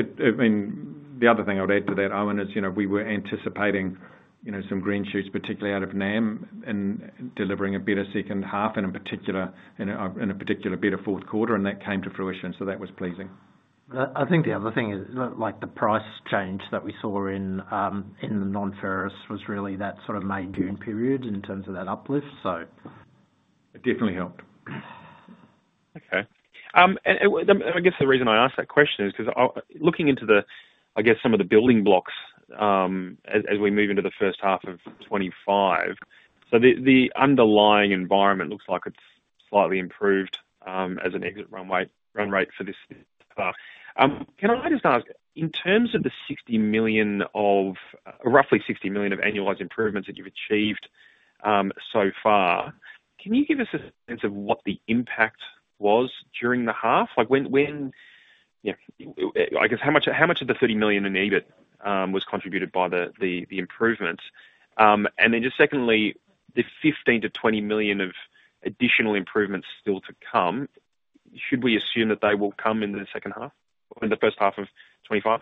the other thing I would add to that, Owen, is, you know, we were anticipating, you know, some green shoots, particularly out of NAM, in delivering a better second half, and in particular, a particular better fourth quarter, and that came to fruition, so that was pleasing. I think the other thing is, like, the price change that we saw in the non-ferrous was really that sort of May, June period in terms of that uplift, so. It definitely helped. Okay. And I guess the reason I ask that question is 'cause I'll be looking into the, I guess, some of the building blocks, as we move into the first half of 2025, so the underlying environment looks like it's slightly improved, as an exit run rate for this half. Can I just ask, in terms of the 60 million of, roughly 60 million of annualized improvements that you've achieved so far, can you give us a sense of what the impact was during the half? Like, you know, I guess how much of the 30 million in EBIT was contributed by the improvements? And then just secondly, the 15-20 million of additional improvements still to come, should we assume that they will come in the second half or in the first half of 2025?...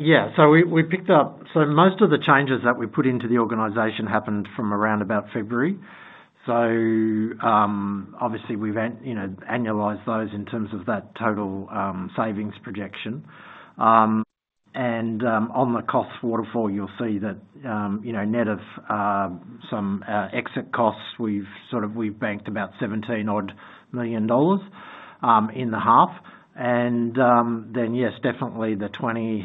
Yeah, so we picked up, so most of the changes that we put into the organization happened from around about February. So, obviously we've annualized those in terms of that total savings projection. And, on the cost waterfall, you'll see that, you know, net of some exit costs, we've banked about 17-odd million dollars in the half. And then, yes, definitely the 20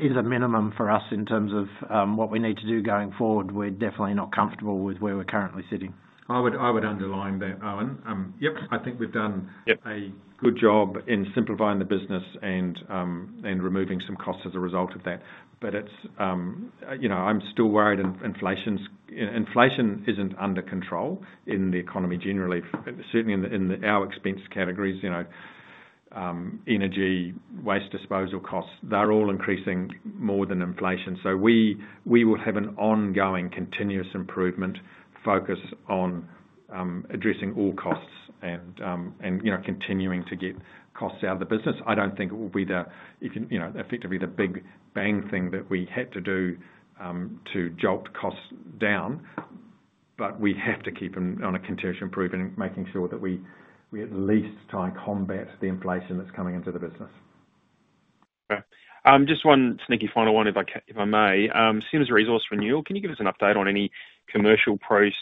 is a minimum for us in terms of what we need to do going forward. We're definitely not comfortable with where we're currently sitting. I would underline that, Owen. Yep, I think we've done- Yep a good job in simplifying the business and and removing some costs as a result of that. But it's, you know, I'm still worried inflation's, inflation isn't under control in the economy generally, certainly in our expense categories, you know, energy, waste disposal costs, they're all increasing more than inflation. So we will have an ongoing continuous improvement focus on addressing all costs and, and you know, continuing to get costs out of the business. I don't think it will be the, you know, effectively the big bang thing that we had to do to jolt costs down, but we have to keep them on a continuous improvement, making sure that we at least try and combat the inflation that's coming into the business. Okay. Just one sneaky final one, if I may. Sims Resource Renewal, can you give us an update on any commercial progress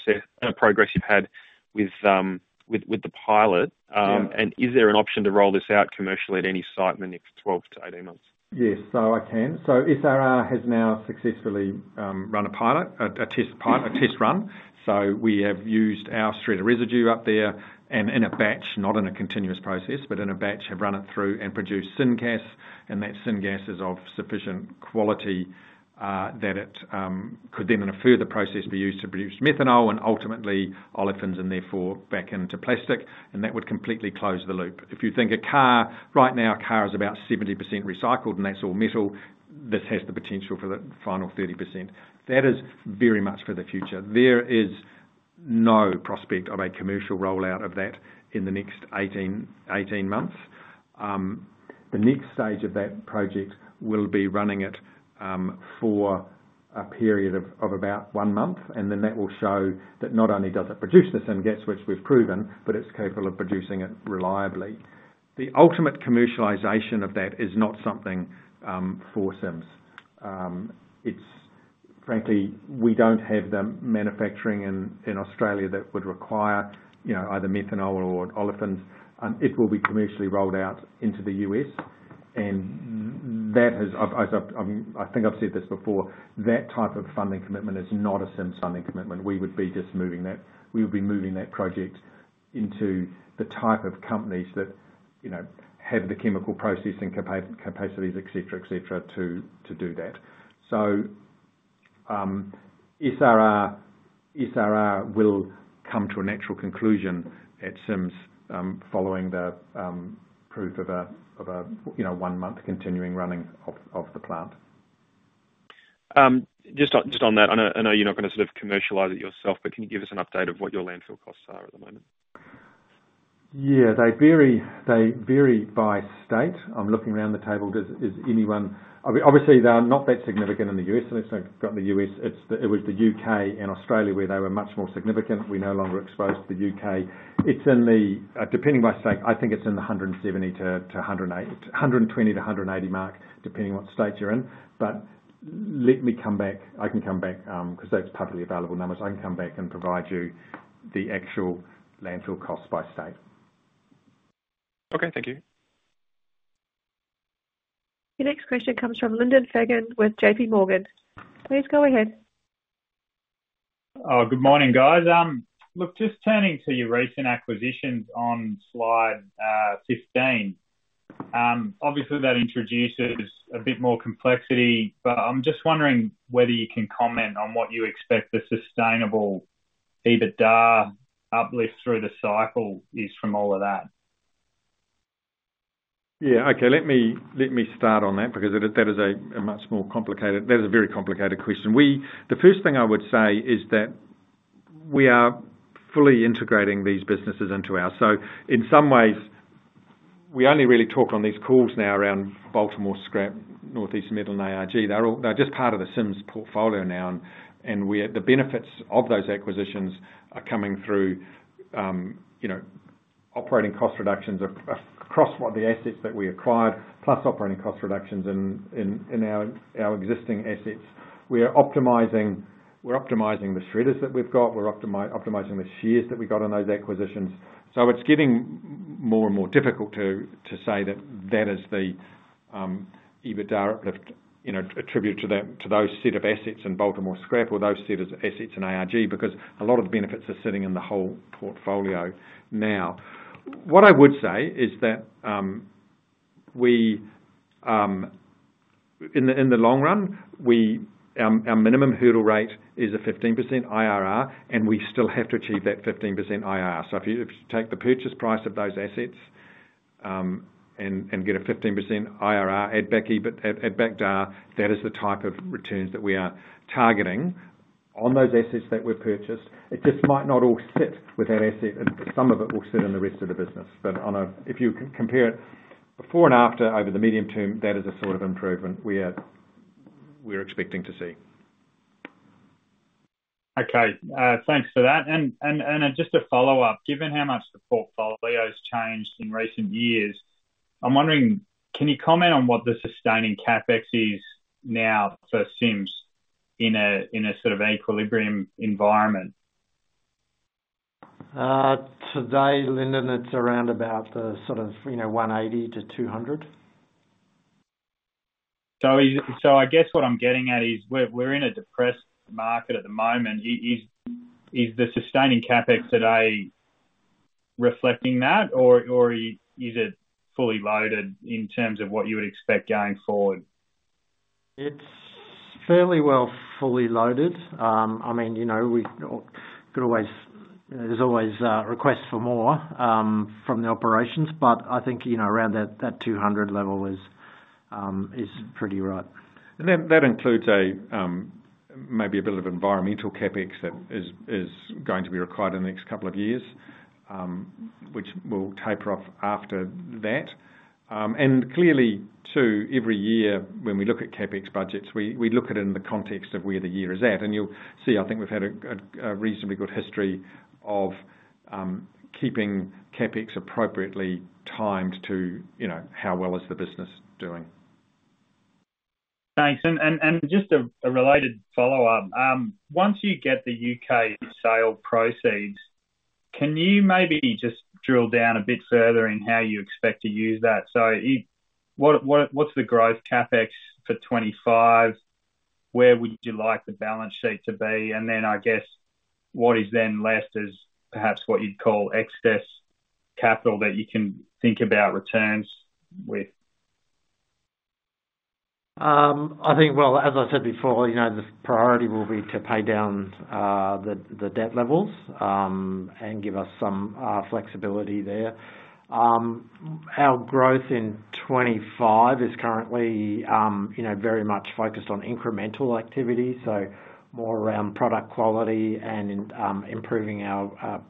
you've had with the pilot? Yeah. And is there an option to roll this out commercially at any site in the next 12-18 months? Yes, so I can. SRR has now successfully run a pilot, a test pilot, a test run. We have used our shredder residue up there and in a batch, not in a continuous process, but in a batch, have run it through and produced syngas. That syngas is of sufficient quality that it could then, in a further process, be used to produce methanol and ultimately olefins, and therefore back into plastic, and that would completely close the loop. If you think a car, right now, a car is about 70% recycled, and that's all metal. This has the potential for the final 30%. That is very much for the future. There is no prospect of a commercial rollout of that in the next 18 months. The next stage of that project will be running it for a period of about one month, and then that will show that not only does it produce the syngas, which we've proven, but it's capable of producing it reliably. The ultimate commercialization of that is not something for Sims. It's frankly, we don't have the manufacturing in Australia that would require, you know, either methanol or olefins. It will be commercially rolled out into the US, and that has, I think I've said this before, that type of funding commitment is not a Sims funding commitment. We would be moving that project into the type of companies that, you know, have the chemical processing capacities, et cetera, et cetera, to do that. So, SRR will come to a natural conclusion at Sims, following the proof of a, you know, one-month continuing running of the plant. Just on that, I know you're not gonna sort of commercialize it yourself, but can you give us an update of what your landfill costs are at the moment? Yeah, they vary, they vary by state. I'm looking around the table. Is anyone... Obviously, they are not that significant in the U.S., so from the U.S., it was the U.K. and Australia, where they were much more significant. We're no longer exposed to the U.K. It's depending by state, I think it's in the $120-$180 mark, depending on what state you're in. But let me come back. I can come back, because those are publicly available numbers. I can come back and provide you the actual landfill cost by state. Okay, thank you. The next question comes from Lyndon Fagan with JP Morgan. Please go ahead. Good morning, guys. Look, just turning to your recent acquisitions on Slide 15. Obviously that introduces a bit more complexity, but I'm just wondering whether you can comment on what you expect the sustainable EBITDA uplift through the cycle is from all of that? Yeah. Okay, let me start on that because that is a much more complicated. That is a very complicated question. We. The first thing I would say is that we are fully integrating these businesses into our. So in some ways, we only really talk on these calls now around Baltimore Scrap, Northeast Metals, and ARG. They're all just part of the Sims portfolio now, and the benefits of those acquisitions are coming through, you know, operating cost reductions across the assets that we acquired, plus operating cost reductions in our existing assets. We are optimizing the shredders that we've got. We're optimizing the shears that we got on those acquisitions. So it's getting more and more difficult to say that that is the EBITDA uplift, you know, attributed to those set of assets in Baltimore Scrap or those set of assets in ARG, because a lot of the benefits are sitting in the whole portfolio. Now, what I would say is that in the long run our minimum hurdle rate is a 15% IRR, and we still have to achieve that 15% IRR. So if you take the purchase price of those assets and get a 15% IRR, add back EBITDA, add back EBITDA, that is the type of returns that we are targeting on those assets that were purchased. It just might not all sit with that asset, and some of it will sit in the rest of the business. But on a, if you compare it before and after, over the medium term, that is the sort of improvement we're expecting to see. Okay, thanks for that. And just a follow-up: given how much the portfolio's changed in recent years, I'm wondering, can you comment on what the sustaining CapEx is now for Sims in a sort of equilibrium environment? Today, Lyndon, it's around about the sort of, you know, 180 to 200. So I guess what I'm getting at is, we're in a depressed market at the moment. Is the sustaining CapEx today reflecting that, or is it fully loaded in terms of what you would expect going forward? It's fairly well fully loaded. I mean, you know, we all could always, you know, there's always requests for more from the operations, but I think, you know, around that, that two hundred level is pretty right. And then that includes maybe a bit of environmental CapEx that is going to be required in the next couple of years, which will taper off after that. And clearly, too, every year, when we look at CapEx budgets, we look at it in the context of where the year is at. And you'll see, I think we've had a reasonably good history of keeping CapEx appropriately timed to, you know, how well is the business doing. Thanks. And just a related follow-up, once you get the U.K. sale proceeds, can you maybe just drill down a bit further in how you expect to use that? So what’s the growth CapEx for '25? Where would you like the balance sheet to be? And then, I guess, what is then left as perhaps what you’d call excess capital that you can think about returns with? I think, well, as I said before, you know, the priority will be to pay down the debt levels and give us some flexibility there. Our growth in 2025 is currently, you know, very much focused on incremental activity, so more around product quality and improving our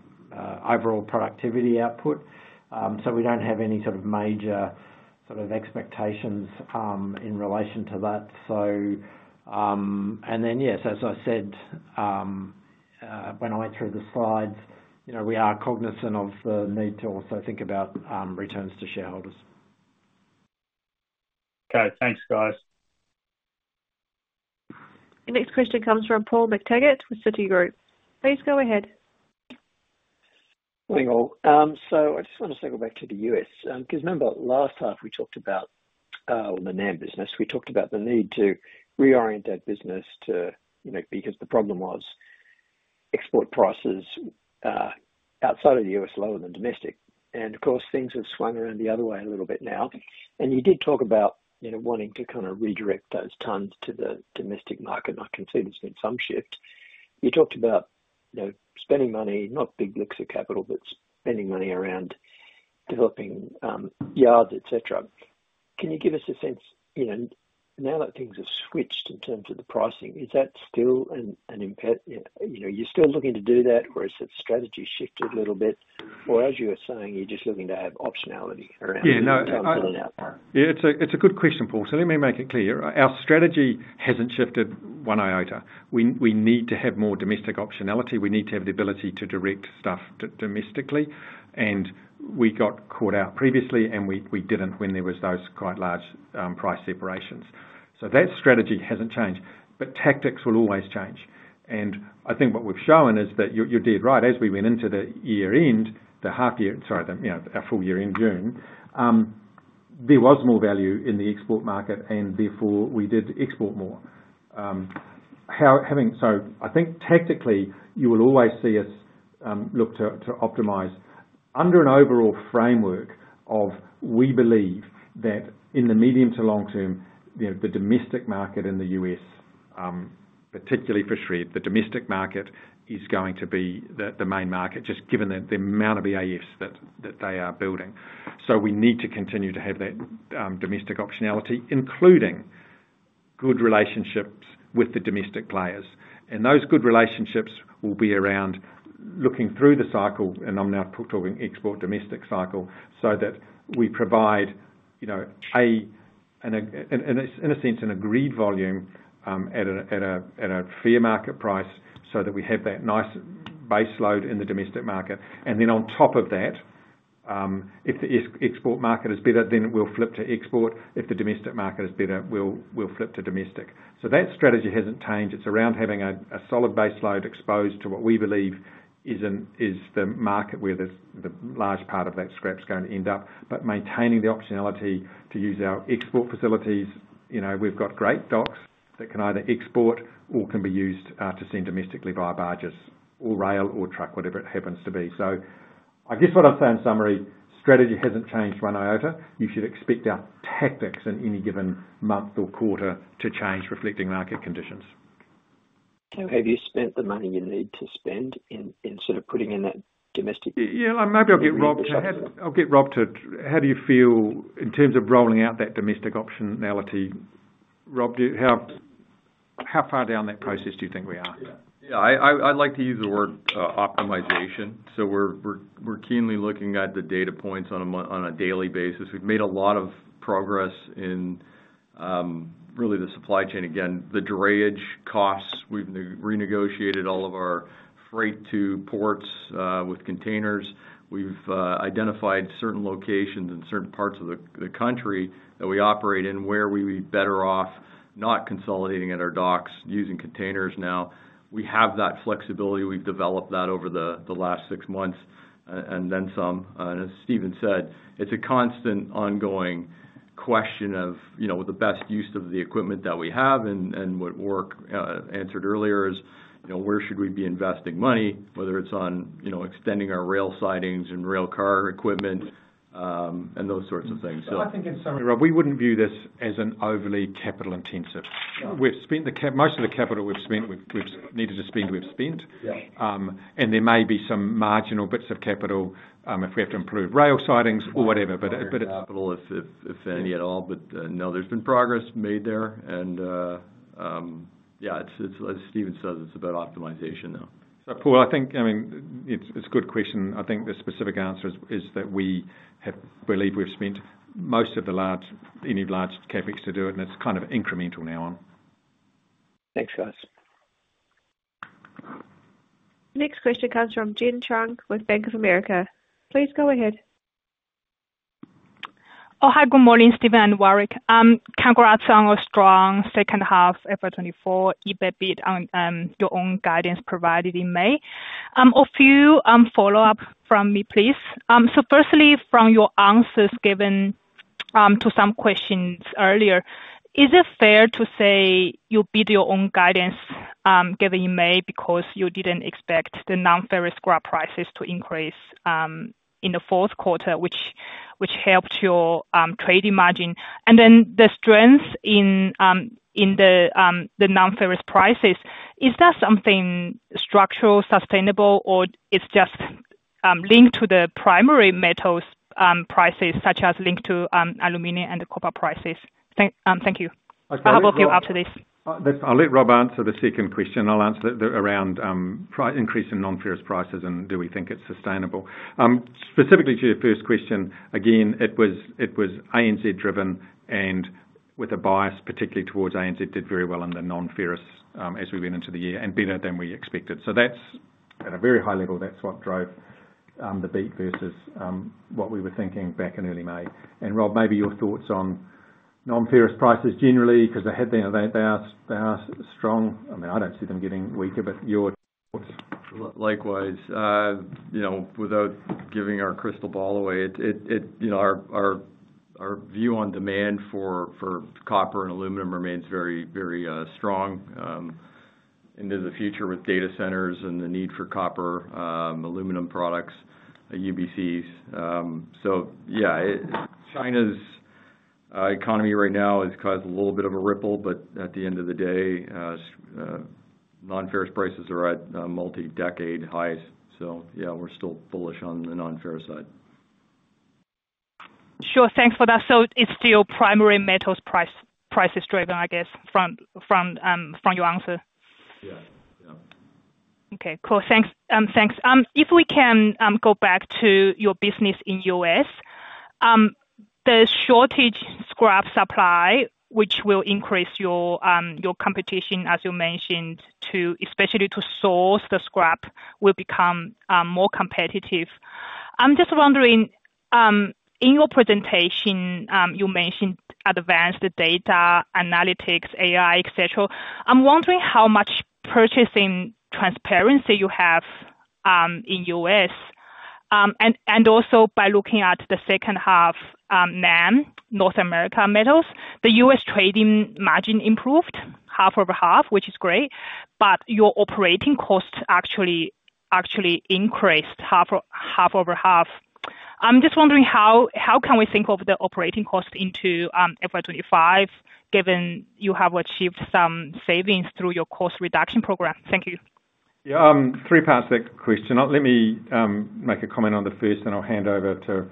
overall productivity output, so we don't have any sort of major expectations in relation to that, and then, yes, as I said, when I went through the slides, you know, we are cognizant of the need to also think about returns to shareholders. Okay. Thanks, guys. The next question comes from Paul McTaggart with Citigroup. Please go ahead. Morning, all. So I just wanna circle back to the US, 'cause remember last time we talked about on the NAM business, we talked about the need to reorient that business to, you know, because the problem was export prices outside of the US, lower than domestic, and of course, things have swung around the other way a little bit now, and you did talk about, you know, wanting to kind of redirect those tons to the domestic market, and I can see there's been some shift. You talked about, you know, spending money, not big lumps of capital, but spending money around developing yards, et cetera. Can you give us a sense, you know, now that things have switched in terms of the pricing, is that still an impetus? You know, are you still looking to do that, or has the strategy shifted a little bit? Or as you were saying, you're just looking to have optionality around- Yeah, no, yeah, it's a good question, Paul. So let me make it clear, our strategy hasn't shifted one iota. We need to have more domestic optionality. We need to have the ability to direct stuff domestically, and we got caught out previously, and we didn't when there was those quite large price separations. So that strategy hasn't changed, but tactics will always change. And I think what we've shown is that you're dead right. As we went into the year-end, the half year, sorry, the, you know, our full year-end, June, there was more value in the export market, and therefore we did export more. So I think tactically you will always see us look to optimize under an overall framework of we believe that in the medium to long term, you know, the domestic market in the U.S., particularly for shred, the domestic market is going to be the main market, just given the amount of EAFs that they are building. So we need to continue to have that domestic optionality, including good relationships with the domestic players. And those good relationships will be around looking through the cycle, and I'm now talking export-domestic cycle, so that we provide, you know, an, in a sense, an agreed volume at a fair market price, so that we have that nice base load in the domestic market. And then on top of that, if the export market is better, then we'll flip to export. If the domestic market is better, we'll flip to domestic. So that strategy hasn't changed. It's around having a solid base load exposed to what we believe is the market where the large part of that scrap's going to end up, but maintaining the optionality to use our export facilities. You know, we've got great docks that can either export or can be used to send domestically via barges or rail or truck, whatever it happens to be. So I guess what I'm saying, in summary, strategy hasn't changed one iota. You should expect our tactics in any given month or quarter to change, reflecting market conditions. Have you spent the money you need to spend in sort of putting in that domestic? Yeah, maybe I'll get Rob to... how do you feel in terms of rolling out that domestic optionality, Rob? Do you have... how far down that process do you think we are? Yeah, I'd like to use the word optimization. So we're keenly looking at the data points on a daily basis. We've made a lot of progress in really the supply chain. Again, the drayage costs, we've renegotiated all of our freight to ports with containers. We've identified certain locations in certain parts of the country that we operate in, where we'd be better off not consolidating at our docks using containers now. We have that flexibility. We've developed that over the last six months, and then some. And as Stephen said, it's a constant ongoing question of, you know, the best use of the equipment that we have and what Warrick answered earlier is, you know, where should we be investing money, whether it's on, you know, extending our rail sidings and rail car equipment, and those sorts of things, so- I think in summary, Rob, we wouldn't view this as an overly capital-intensive. Sure. We've spent most of the capital we've needed to spend. Yeah. And there may be some marginal bits of capital, if we have to improve rail sidings or whatever, but it- Capital, if any at all, but no, there's been progress made there and yeah, it's as Stephen says, it's about optimization now. So Paul, I think, I mean, it's a good question. I think the specific answer is that we believe we've spent most of any large CapEx to do it, and it's kind of incremental now on. Thanks, guys. Next question comes from Chen Jiang with Bank of America. Please go ahead. Oh, hi, good morning, Stephen and Warrick. Congrats on a strong second half, FY 2024, EBIT on your own guidance provided in May. A few follow-up from me, please. So firstly, from your answers given to some questions earlier, is it fair to say you beat your own guidance given in May, because you didn't expect the non-ferrous scrap prices to increase in the fourth quarter, which helped your trading margin? And then the strength in the non-ferrous prices, is that something structural, sustainable, or it's just linked to the primary metals prices, such as linked to aluminum and copper prices? Thank you. I have a few after this. I'll let Rob answer the second question. I'll answer the price increase in non-ferrous prices, and do we think it's sustainable? Specifically to your first question, again, it was ANZ driven, and with a bias, particularly towards ANZ, did very well in the non-ferrous as we went into the year, and better than we expected. So that's, at a very high level, that's what drove the beat versus what we were thinking back in early May. And Rob, maybe your thoughts on non-ferrous prices generally, 'cause they have been, they are strong. I mean, I don't see them getting weaker, but your thoughts? Likewise, you know, without giving our crystal ball away, it you know, our view on demand for copper and aluminum remains very strong into the future with data centers and the need for copper aluminum products, UBCs. So yeah, it China's economy right now has caused a little bit of a ripple, but at the end of the day non-ferrous prices are at multi-decade highs. So yeah, we're still bullish on the non-ferrous side. Sure. Thanks for that. So it's still primary metals price, prices driven, I guess, from your answer? Yeah. Yeah. Okay, cool. Thanks, thanks. If we can go back to your business in U.S. The shortage scrap supply, which will increase your competition, as you mentioned, especially to source the scrap, will become more competitive. I'm just wondering, in your presentation, you mentioned advanced data, analytics, AI, et cetera. I'm wondering how much purchasing transparency you have in U.S. And also by looking at the second half, NAM, North America Metals, the U.S. trading margin improved half over half, which is great, but your operating costs actually increased half over half. I'm just wondering how can we think of the operating cost into FY 2025, given you have achieved some savings through your cost reduction program? Thank you. Yeah, three parts to that question. Let me make a comment on the first, then I'll hand over to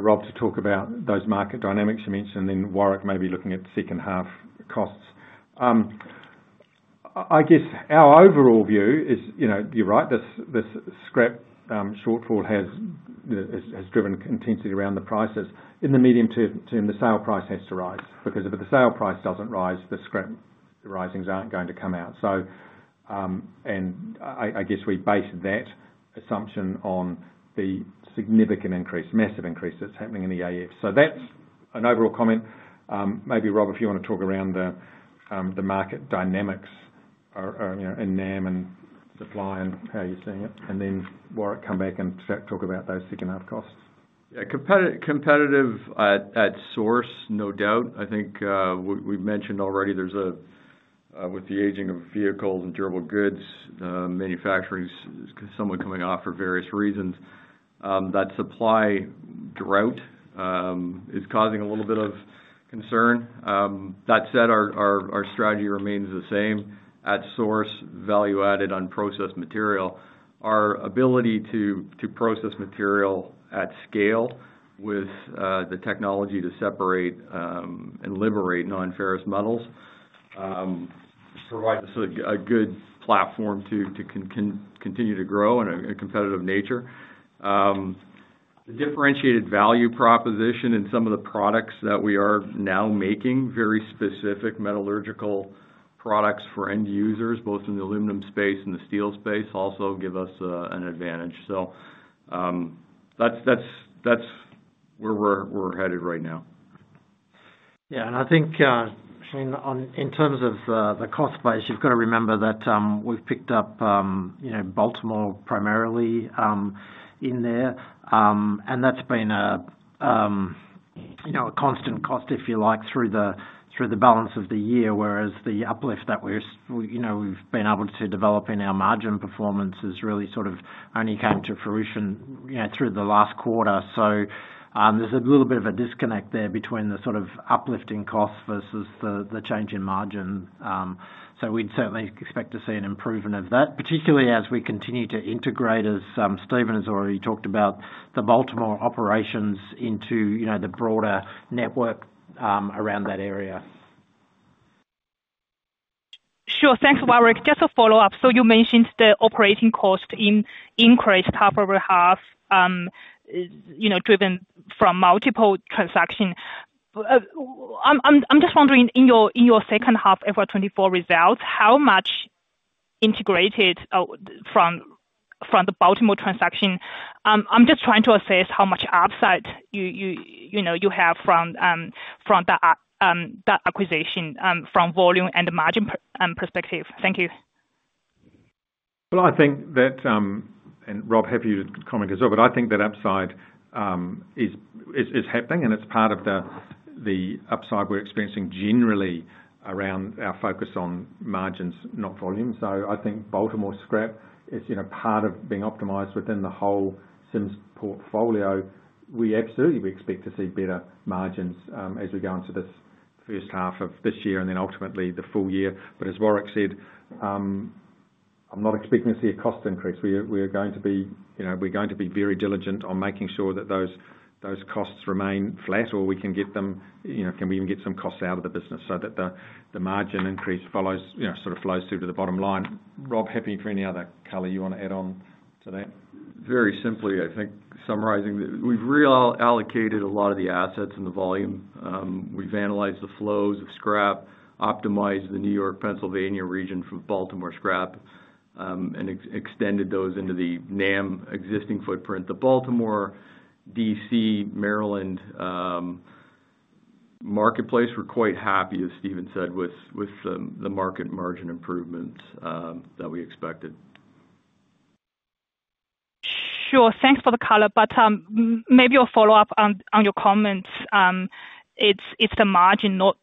Rob to talk about those market dynamics you mentioned, and then Warrick maybe looking at the second half costs. I guess our overall view is, you know, you're right, this scrap shortfall has driven intensity around the prices. In the medium term, the sale price has to rise, because if the sale price doesn't rise, the scrap yards aren't going to come out. So, and I guess we based that assumption on the significant increase, massive increase that's happening in the EAF. So that's an overall comment. Maybe, Rob, if you wanna talk around the market dynamics, you know, in NAM and supply and how you're seeing it, and then Warrick, come back and talk about those second half costs. Yeah, competitive at source, no doubt. I think, we've mentioned already there's with the aging of vehicles and durable goods, manufacturing is somewhat coming off for various reasons, that supply drought is causing a little bit of concern. That said, our strategy remains the same at source, value added on processed material, our ability to process material at scale with the technology to separate and liberate non-ferrous metals provides us a good platform to continue to grow in a competitive nature. The differentiated value proposition in some of the products that we are now making, very specific metallurgical products for end users, both in the aluminum space and the steel space, also give us an advantage. So, that's where we're headed right now. Yeah, and I think, Chen, on, in terms of, the cost base, you've gotta remember that, we've picked up, you know, Baltimore primarily, in there. And that's been a, you know, a constant cost, if you like, through the balance of the year, whereas the uplift that we're, you know, we've been able to develop in our margin performance has really sort of only came to fruition, you know, through the last quarter. So, there's a little bit of a disconnect there between the sort of uplifting cost versus the change in margin. So, we'd certainly expect to see an improvement of that, particularly as we continue to integrate, as Stephen has already talked about, the Baltimore operations into, you know, the broader network, around that area. Sure. Thanks, Warrick. Just a follow-up. So you mentioned the operating costs increased half over half, driven by multiple transactions. I'm just wondering, in your second half FY 2024 results, how much integration from the Baltimore transaction? I'm just trying to assess how much upside you have from that acquisition, from volume and the margin perspective. Thank you. I think that, and Rob, happy to comment as well, but I think that upside is happening, and it's part of the upside we're experiencing generally around our focus on margins, not volume. So I think Baltimore Scrap is, you know, part of being optimized within the whole Sims portfolio. We absolutely expect to see better margins as we go into this first half of this year, and then ultimately the full year. But as Warrick said, I'm not expecting to see a cost increase. We are going to be, you know, very diligent on making sure that those costs remain flat or we can get them, you know, can we even get some costs out of the business so that the margin increase follows, you know, sort of flows through to the bottom line. Rob, happy for any other color you wanna add on to that? Very simply, I think summarizing, we've reallocated a lot of the assets and the volume. We've analyzed the flows of scrap, optimized the New York, Pennsylvania region from Baltimore Scrap, and extended those into the NAM existing footprint. The Baltimore, DC, Maryland marketplace, we're quite happy, as Stephen said, with the market margin improvements that we expected. Sure. Thanks for the color, but maybe a follow-up on your comments. It's the margin, not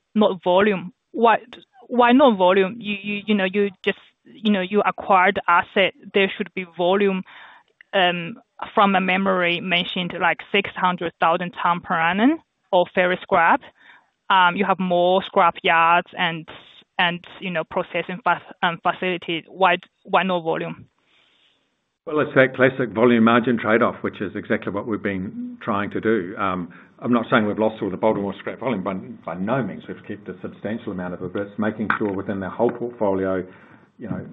volume. Why not volume? You know, you just, you know, you acquired the asset. There should be volume from my memory, mentioned like 600,000 tons per annum of ferrous scrap. You have more scrap yards and, you know, processing facilities. Why no volume? It's that classic volume margin trade-off, which is exactly what we've been trying to do. I'm not saying we've lost all the Baltimore scrap volume, by no means. We've kept a substantial amount of it, but it's making sure within the whole portfolio, you know,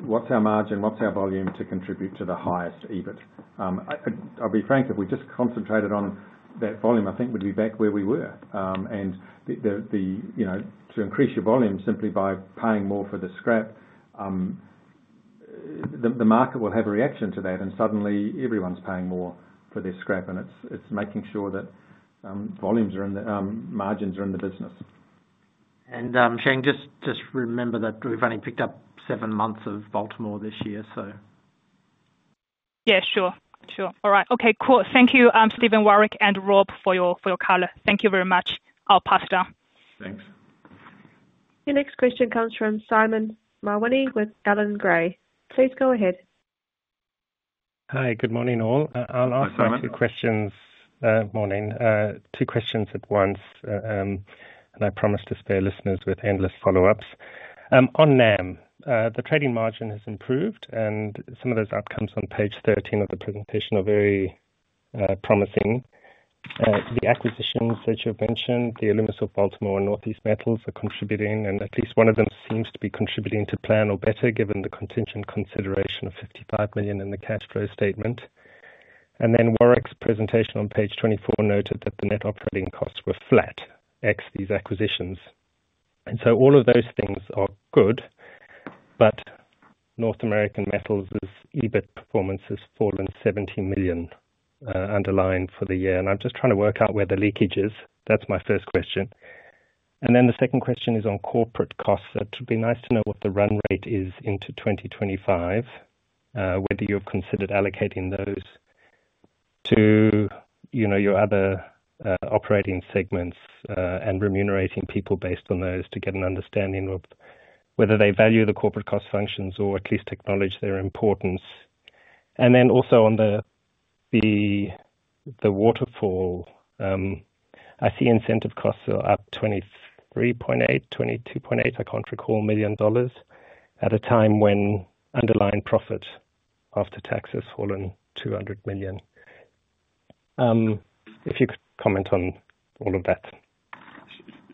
what's our margin, what's our volume to contribute to the highest EBIT? I'll be frank, if we just concentrated on that volume, I think we'd be back where we were. And the you know, to increase your volume simply by paying more for the scrap, the market will have a reaction to that, and suddenly everyone's paying more for their scrap, and it's making sure that volumes are in the margins are in the business. Chen, just remember that we've only picked up seven months of Baltimore this year, so. Yeah, sure. Sure. All right. Okay, cool. Thank you, Stephen, Warrick, and Rob, for your color. Thank you very much. I'll pass it down. Thanks. Your next question comes from Simon Mawhinney with Allan Gray. Please go ahead. Hi, good morning, all. Hi, Simon. I'll ask two questions, morning, two questions at once. I promise to spare listeners with endless follow-ups. On NAM, the trading margin has improved, and some of those outcomes on page 13 of the presentation are very promising. The acquisitions that you've mentioned, the AlumiSource, Baltimore and Northeast Metals, are contributing, and at least one of them seems to be contributing to plan or better, given the contingent consideration of $55 million in the cash flow statement. Warrick's presentation on page 24 noted that the net operating costs were flat, ex these acquisitions. All of those things are good, but North American Metals' EBIT performance has fallen $70 million, underlying for the year, and I'm just trying to work out where the leakage is. That's my first question. And then the second question is on corporate costs. It'd be nice to know what the run rate is into 2025, whether you've considered allocating those to, you know, your other operating segments, and remunerating people based on those, to get an understanding of whether they value the corporate cost functions or at least acknowledge their importance? And then also on the waterfall, I see incentive costs are up 23.8, 22.8, I can't recall, million dollars, at a time when underlying profit after tax has fallen 200 million. If you could comment on all of that,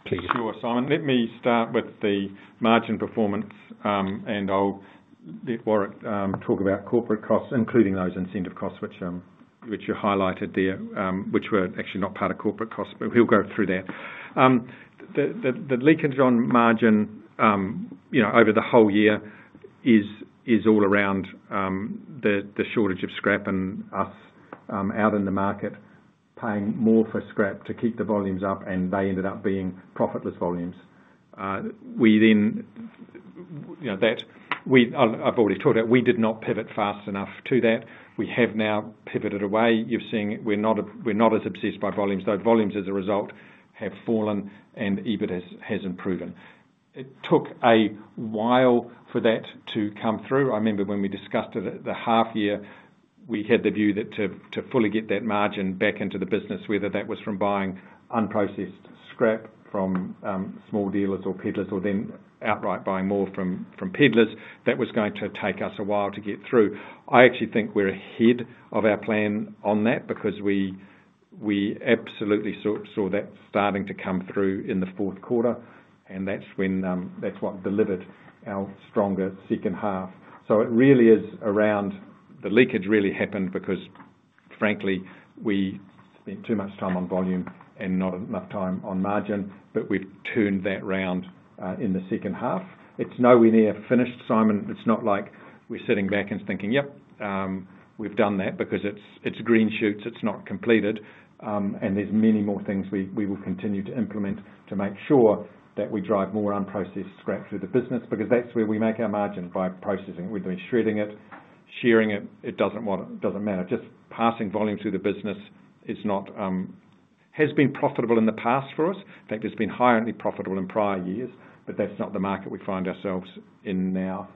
please. Sure, Simon. Let me start with the margin performance, and I'll let Warrick talk about corporate costs, including those incentive costs, which you highlighted there, which were actually not part of corporate costs, but we'll go through that. The leakage on margin, you know, over the whole year is all around the shortage of scrap and us out in the market paying more for scrap to keep the volumes up, and they ended up being profitless volumes. We then, you know, that we-- I've already talked about it, we did not pivot fast enough to that. We have now pivoted away. You've seen we're not as obsessed by volumes, though volumes, as a result, have fallen and EBIT has improved. It took a while for that to come through. I remember when we discussed it at the half year, we had the view that to fully get that margin back into the business, whether that was from buying unprocessed scrap from small dealers or peddlers, or then outright buying more from peddlers, that was going to take us a while to get through. I actually think we're ahead of our plan on that, because we absolutely saw that starting to come through in the fourth quarter, and that's what delivered our stronger second half. So it really is around... The leakage really happened because, frankly, we spent too much time on volume and not enough time on margin, but we've turned that around in the second half. It's nowhere near finished, Simon. It's not like we're sitting back and thinking: Yep, we've done that. Because it's green shoots, it's not completed. And there's many more things we will continue to implement to make sure that we drive more unprocessed scrap through the business, because that's where we make our margin, by processing it. Whether we're shredding it, shearing it, it doesn't matter. Just passing volume through the business is not. Has been profitable in the past for us. In fact, it's been highly profitable in prior years, but that's not the market we find ourselves in now.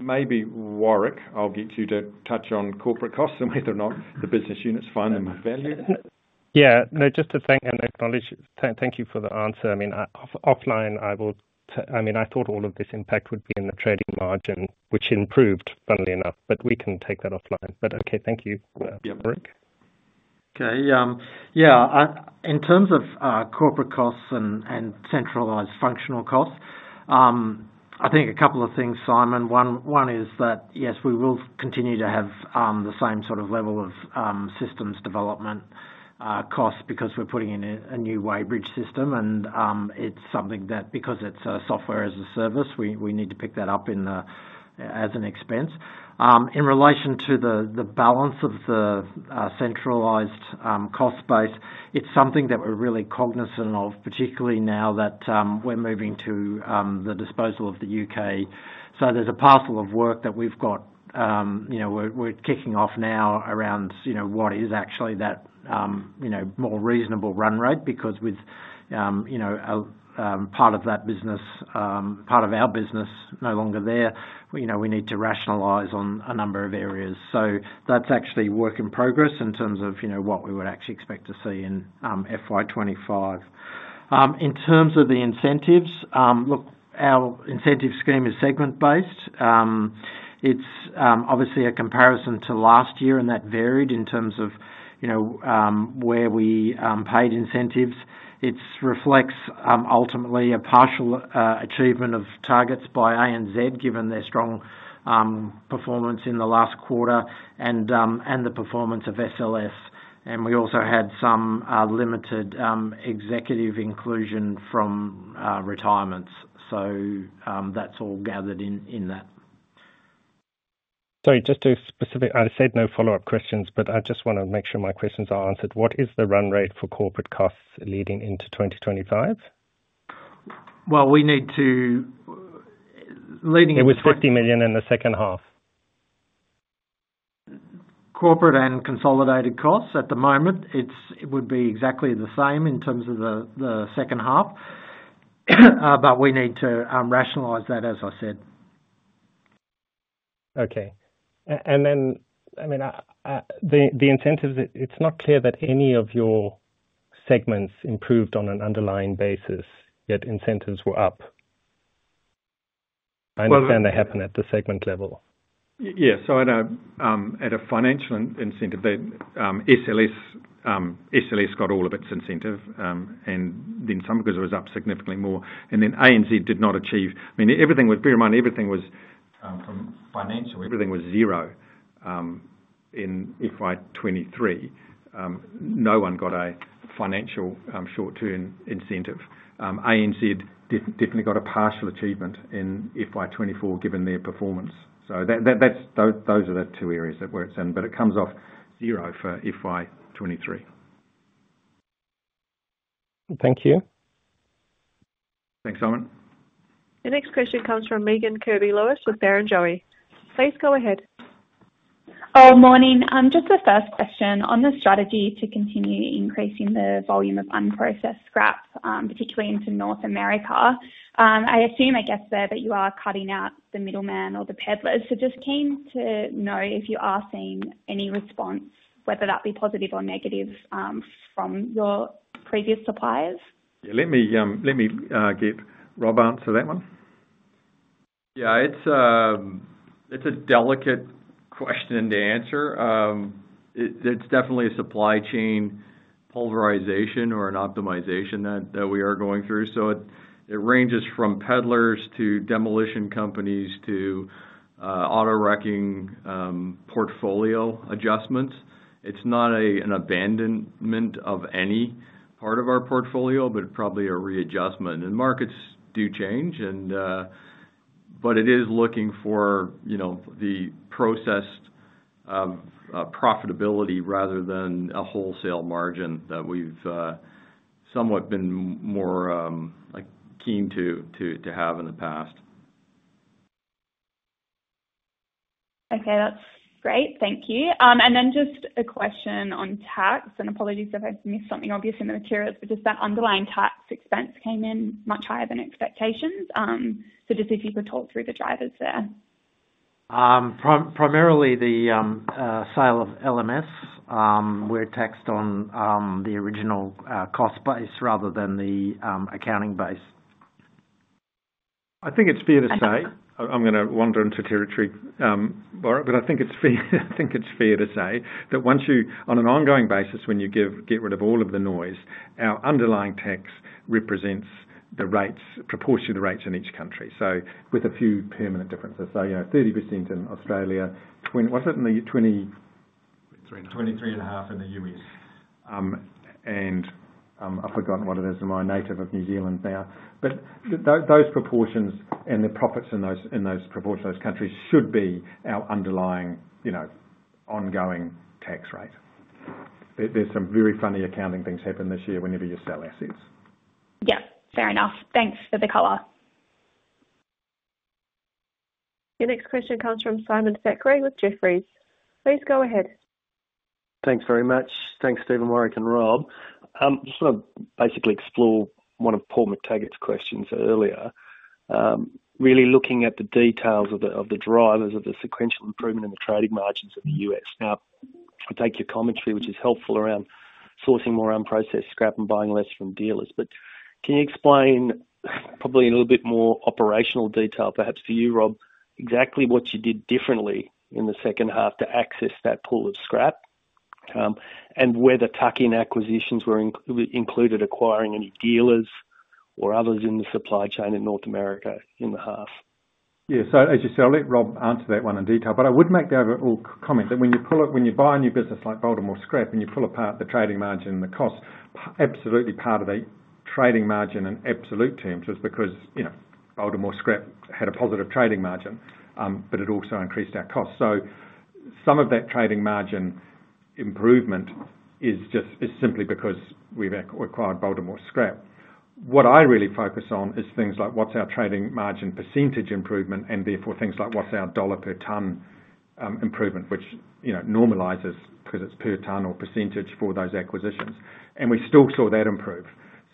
Maybe, Warrick, I'll get you to touch on corporate costs and whether or not the business units find them of value. Yeah. No, just to thank and acknowledge, thank you for the answer. I mean, offline, I thought all of this impact would be in the trading margin, which improved, funnily enough, but we can take that offline. But okay, thank you, Warrick. Okay, yeah, I, in terms of corporate costs and centralized functional costs, I think a couple of things, Simon. One is that, yes, we will continue to have the same sort of level of systems development costs, because we're putting in a new weighbridge system, and it's something that because it's a software as a service, we need to pick that up in the as an expense. In relation to the balance of the centralized cost base, it's something that we're really cognizant of, particularly now that we're moving to the disposal of the U.K. So there's a parcel of work that we've got, you know, we're kicking off now around, you know, what is actually that, you know, more reasonable run rate, because with, you know, part of that business, part of our business no longer there, we, you know, we need to rationalize on a number of areas. So that's actually work in progress in terms of, you know, what we would actually expect to see in FY 2025. In terms of the incentives, look, our incentive scheme is segment-based. It's obviously a comparison to last year, and that varied in terms of, you know, where we paid incentives. It reflects ultimately a partial achievement of targets by ANZ, given their strong performance in the last quarter and the performance of SLS. And we also had some limited executive inclusion from retirements. So, that's all gathered in that. I said no follow-up questions, but I just wanna make sure my questions are answered. What is the run rate for corporate costs leading into 2025? We need to, leading- It was 50 million in the second half. Corporate and consolidated costs at the moment, it would be exactly the same in terms of the second half, but we need to rationalize that, as I said. Okay. Then, I mean, the incentives. It's not clear that any of your segments improved on an underlying basis, yet incentives were up. Well, the- I understand they happen at the segment level. Yes, so I know at a financial incentive that SLS got all of its incentive and then some, because it was up significantly more, and then ANZ did not achieve. I mean, everything was, bear in mind, everything was from financial, everything was zero in FY 2023. No one got a financial short-term incentive. ANZ definitely got a partial achievement in FY 2024, given their performance. So that's those are the two areas that where it's in, but it comes off zero for FY 2023. Thank you. Thanks, Simon. The next question comes from Megan Kirby-Lewis with Barrenjoey. Please go ahead.... Oh, morning. Just the first question, on the strategy to continue increasing the volume of unprocessed scrap, particularly into North America. I assume, I guess there, that you are cutting out the middleman or the peddlers. So just keen to know if you are seeing any response, whether that be positive or negative, from your previous suppliers? Yeah, let me get Rob answer that one. Yeah, it's a delicate question to answer. It's definitely a supply chain pulverization or an optimization that we are going through. So it ranges from peddlers to demolition companies to auto wrecking, portfolio adjustments. It's not an abandonment of any part of our portfolio, but probably a readjustment. Markets do change and, but it is looking for, you know, the processed profitability rather than a wholesale margin that we've somewhat been more like keen to have in the past. Okay. That's great. Thank you, and then just a question on tax, and apologies if I've missed something obvious in the materials, but just that underlying tax expense came in much higher than expectations, so just if you could talk through the drivers there. Primarily the sale of LMS. We're taxed on the original cost base rather than the accounting base. I think it's fair to say- Okay. I'm gonna wander into territory, but I think it's fair to say that once you-- on an ongoing basis, when you get rid of all of the noise, our underlying tax represents the rates, proportionate rates in each country, so with a few permanent differences. So, you know, 30% in Australia, twen- was it in the 20... Three and a half. $23.5 in the U.S. I've forgotten what it is in my native of New Zealand now, but those proportions and the profits in those, in those proportions, those countries should be our underlying, you know, ongoing tax rate. There's some very funny accounting things happen this year whenever you sell assets. Yeah, fair enough. Thanks for the color. Your next question comes from Simon Thackray with Jefferies. Please go ahead. Thanks very much. Thanks, Stephen, Warrick, and Rob. Just wanna basically explore one of Paul McTaggart's questions earlier. Really looking at the details of the drivers of the sequential improvement in the trading margins in the US. Now, I take your commentary, which is helpful, around sourcing more unprocessed scrap and buying less from dealers. But can you explain, probably in a little bit more operational detail, perhaps for you, Rob, exactly what you did differently in the second half to access that pool of scrap? And whether tuck-in acquisitions were included acquiring any dealers or others in the supply chain in North America in the half. Yeah. So as you said, I'll let Rob answer that one in detail, but I would make the overall comment that when you buy a new business like Baltimore Scrap, and you pull apart the trading margin and the cost, absolutely part of a trading margin in absolute terms is because, you know, Baltimore Scrap had a positive trading margin, but it also increased our costs. So some of that trading margin improvement is just, is simply because we've acquired Baltimore Scrap. What I really focus on is things like, what's our trading margin percentage improvement, and therefore things like what's our dollar per ton improvement, which, you know, normalizes because it's per ton or percentage for those acquisitions, and we still saw that improve.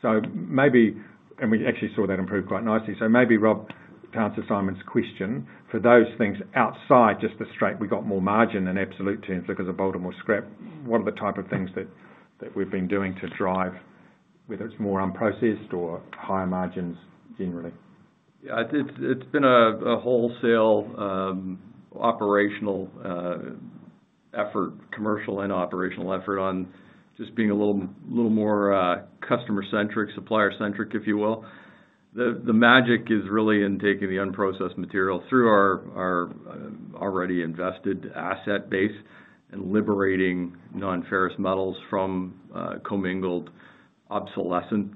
So maybe. And we actually saw that improve quite nicely. So maybe Rob can answer Simon's question for those things outside, just the straight, we got more margin in absolute terms because of Baltimore Scrap. What are the type of things that we've been doing to drive, whether it's more unprocessed or higher margins generally? Yeah, I think it's been a wholesale operational effort, commercial and operational effort on just being a little more customer-centric, supplier-centric, if you will. The magic is really in taking the unprocessed material through our already invested asset base and liberating non-ferrous metals from commingled obsolescent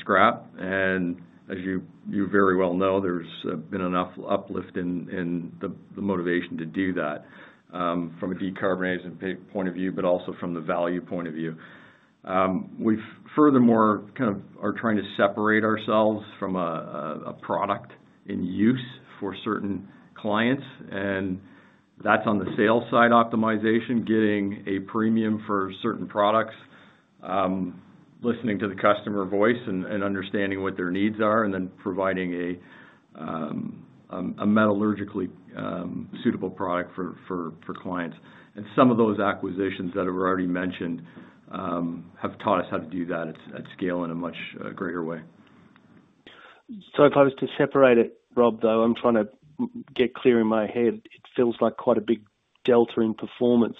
scrap. And as you very well know, there's been enough uplift in the motivation to do that from a decarbonization point of view, but also from the value point of view. We've furthermore kind of are trying to separate ourselves from a product in use for certain clients, and that's on the sales side optimization, getting a premium for certain products, listening to the customer voice and understanding what their needs are, and then providing a metallurgically suitable product for clients, and some of those acquisitions that I've already mentioned have taught us how to do that at scale in a much greater way. So if I was to separate it, Rob, though, I'm trying to get clear in my head, it feels like quite a big delta in performance.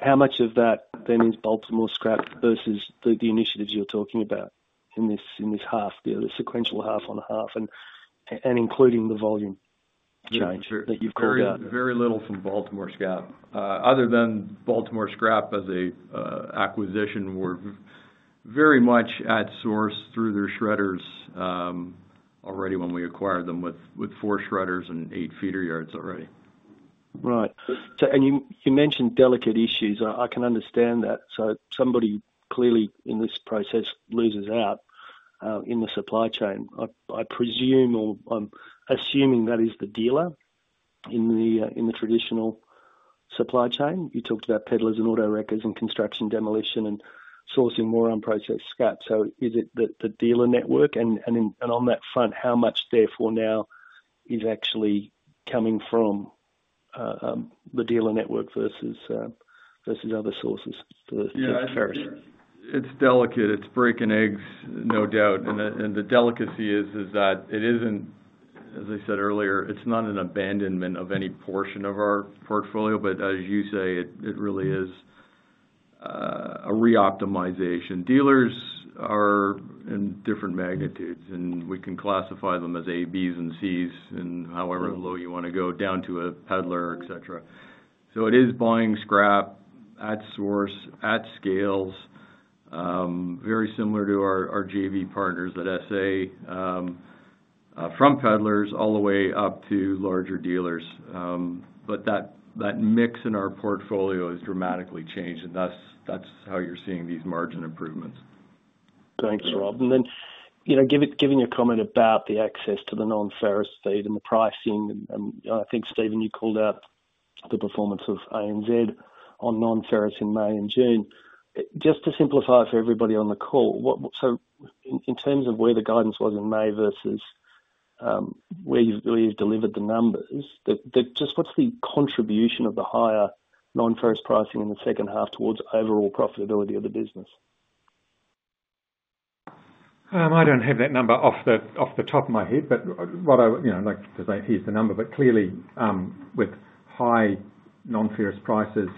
How much of that then is Baltimore Scrap versus the initiatives you're talking about in this half, the sequential half on half and including the volume change that you've called out? Very, very little from Baltimore Scrap. Other than Baltimore Scrap as an acquisition, we're very much at source through their shredders already when we acquired them with four shredders and eight feeder yards already. Right. So you mentioned delicate issues. I can understand that. So somebody clearly in this process loses out in the supply chain. I presume, or I'm assuming that is the dealer in the traditional supply chain. You talked about peddlers and auto wreckers and construction demolition and sourcing more on-process scrap. So is it the dealer network? And on that front, how much therefore now is actually coming from the dealer network versus other sources for the ferrous? Yeah, it's delicate. It's breaking eggs, no doubt. And the delicacy is that it isn't, as I said earlier, it's not an abandonment of any portion of our portfolio, but as you say, it really is a reoptimization. Dealers are in different magnitudes, and we can classify them as As, Bs and Cs, and however low you wanna go down to a peddler, et cetera. So it is buying scrap at source, at scales, very similar to our JV partners at SA, from peddlers all the way up to larger dealers. But that mix in our portfolio has dramatically changed, and that's how you're seeing these margin improvements. Thanks, Rob. And then, you know, giving a comment about the access to the non-ferrous feed and the pricing, and I think, Stephen, you called out the performance of ANZ on non-ferrous in May and June. Just to simplify for everybody on the call, what, so in terms of where the guidance was in May versus where you've delivered the numbers, just what's the contribution of the higher non-ferrous pricing in the second half towards overall profitability of the business? I don't have that number off the top of my head, but what I would... You know, like to say, here's the number, but clearly, with high non-ferrous prices,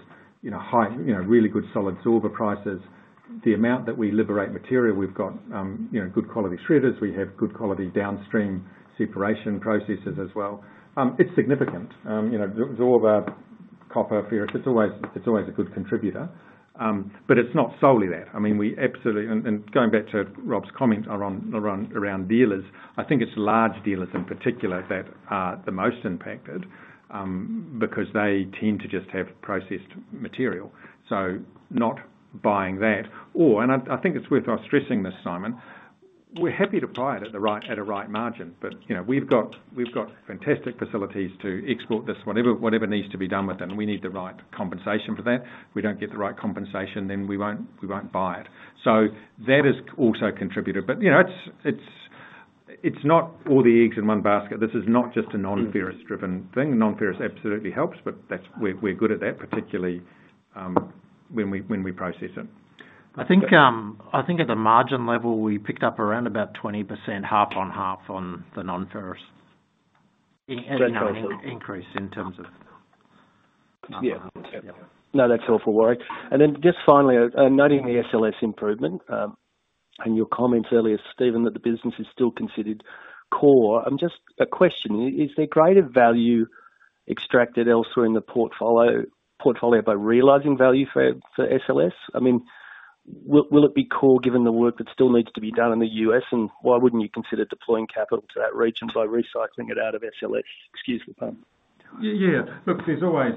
you know, high, you know, really good solid silver prices, the amount that we liberate material, we've got, you know, good quality shredders, we have good quality downstream separation processes as well. You know, it's all about copper, ferrous. It's always a good contributor, but it's not solely that. I mean, we absolutely, and going back to Rob's comment around dealers, I think it's large dealers in particular that are the most impacted, because they tend to just have processed material, so not buying that. I think it's worth us stressing this, Simon. We're happy to buy it at a right margin, but, you know, we've got fantastic facilities to export this, whatever needs to be done with it, and we need the right compensation for that. If we don't get the right compensation, then we won't buy it. So that has also contributed. But, you know, it's not all the eggs in one basket. This is not just a non-ferrous driven thing. Non-ferrous absolutely helps, but that's. We're good at that, particularly when we process it. I think at the margin level, we picked up around about 20%, half on half on the non-ferrous- General. Increase in terms of- Yeah. No, that's helpful, Warrick. And then just finally, noting the SLS improvement, and your comments earlier, Stephen, that the business is still considered core. Just a question, is there greater value extracted elsewhere in the portfolio by realizing value for SLS? I mean, will it be core, given the work that still needs to be done in the U.S., and why wouldn't you consider deploying capital to that region by recycling it out of SLS? Excuse me. Yeah. Look, there's always.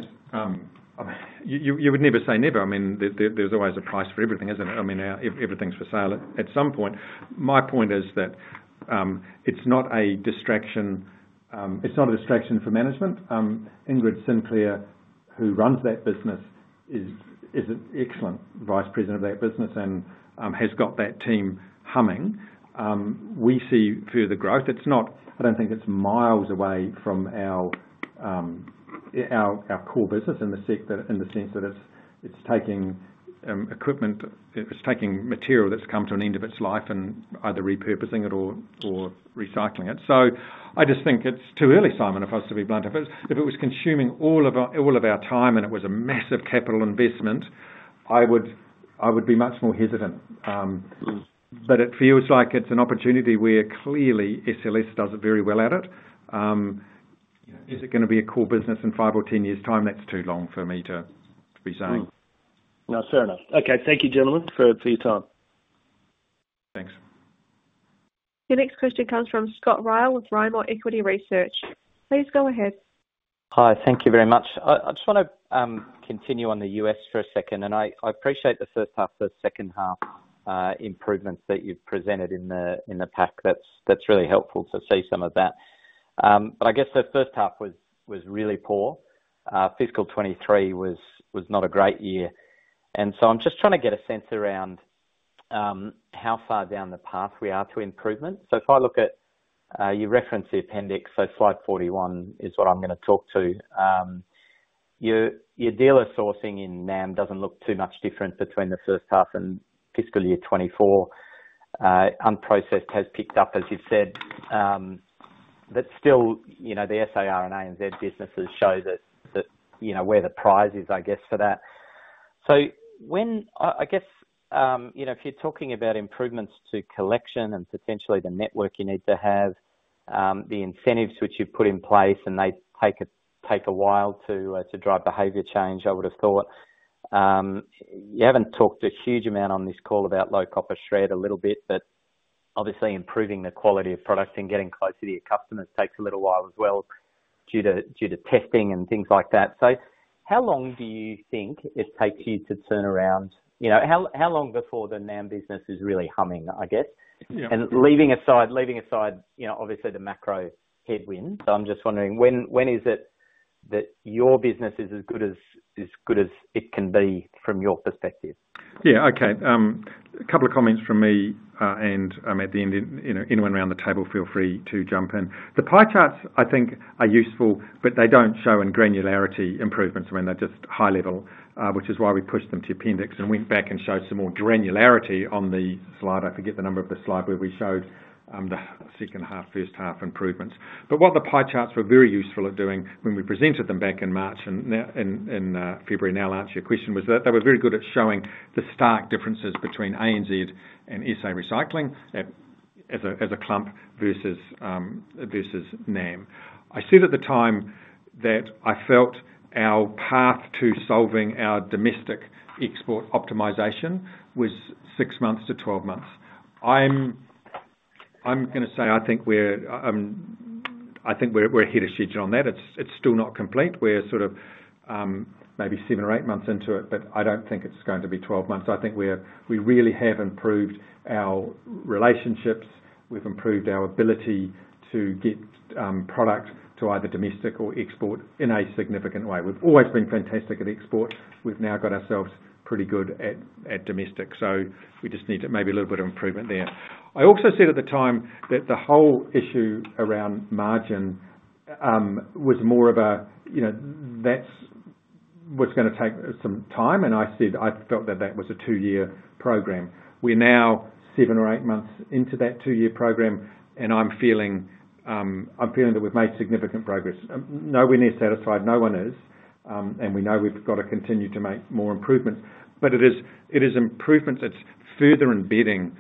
You would never say never. I mean, there's always a price for everything, isn't it? I mean, everything's for sale at some point. My point is that it's not a distraction. It's not a distraction for management. Ingrid Sinclair, who runs that business, is an excellent vice president of that business and has got that team humming. We see further growth. It's not miles away from our core business in the sense that it's taking equipment, it's taking material that's come to an end of its life and either repurposing it or recycling it. So I just think it's too early, Simon, if I was to be blunt. If it was consuming all of our time and it was a massive capital investment, I would be much more hesitant. But it feels like it's an opportunity where clearly SLS does it very well at it. You know, is it gonna be a core business in five or ten years' time? That's too long for me to be saying. No, fair enough. Okay, thank you, gentlemen, for your time. Thanks. Your next question comes from Scott Ryall with Rimor Equity Research. Please go ahead. Hi, thank you very much. I just wanna continue on the U.S. for a second, and I appreciate the first half to second half improvements that you've presented in the pack. That's really helpful to see some of that, but I guess the first half was really poor. Fiscal 2023 was not a great year, so I'm just trying to get a sense around how far down the path we are to improvement, so if I look at, you referenced the appendix, so Slide 41 is what I'm gonna talk to. Your dealer sourcing in NAM doesn't look too much different between the first half and fiscal year 2024. Unprocessed has picked up, as you've said. But still, you know, the SAR and ANZ businesses show that, you know, where the prize is, I guess, for that. So, I guess, you know, if you're talking about improvements to collection and potentially the network you need to have, the incentives which you've put in place, and they take a while to drive behavior change, I would have thought. You haven't talked a huge amount on this call about low copper shred, a little bit, but obviously improving the quality of product and getting closer to your customers takes a little while as well, due to testing and things like that. So how long do you think it takes you to turn around? You know, how long before the NAM business is really humming, I guess? Yeah. Leaving aside, you know, obviously the macro headwinds, so I'm just wondering when is it that your business is as good as it can be from your perspective? Yeah, okay. A couple of comments from me, and, at the end, you know, anyone around the table feel free to jump in. The pie charts, I think, are useful, but they don't show in granularity improvements. I mean, they're just high level, which is why we pushed them to the appendix and went back and showed some more granularity on the slide. I forget the number of the slide where we showed the second half, first half improvements. But what the pie charts were very useful at doing when we presented them back in March and now in February, now to answer your question, was that they were very good at showing the stark differences between ANZ and SA Recycling as a clump versus NAM. I said at the time that I felt our path to solving our domestic export optimization was six months to 12 months. I'm gonna say I think we're ahead of schedule on that. It's still not complete. We're sort of maybe seven or eight months into it, but I don't think it's going to be 12 months. I think we really have improved our relationships. We've improved our ability to get product to either domestic or export in a significant way. We've always been fantastic at export. We've now got ourselves pretty good at domestic. So we just need to maybe a little bit of improvement there. I also said at the time that the whole issue around margin was more of a, you know, that's what's gonna take some time, and I said I felt that that was a two-year program. We're now seven or eight months into that two-year program, and I'm feeling, I'm feeling that we've made significant progress. Nowhere near satisfied, no one is, and we know we've got to continue to make more improvements. But it is, it is improvements that's further embedding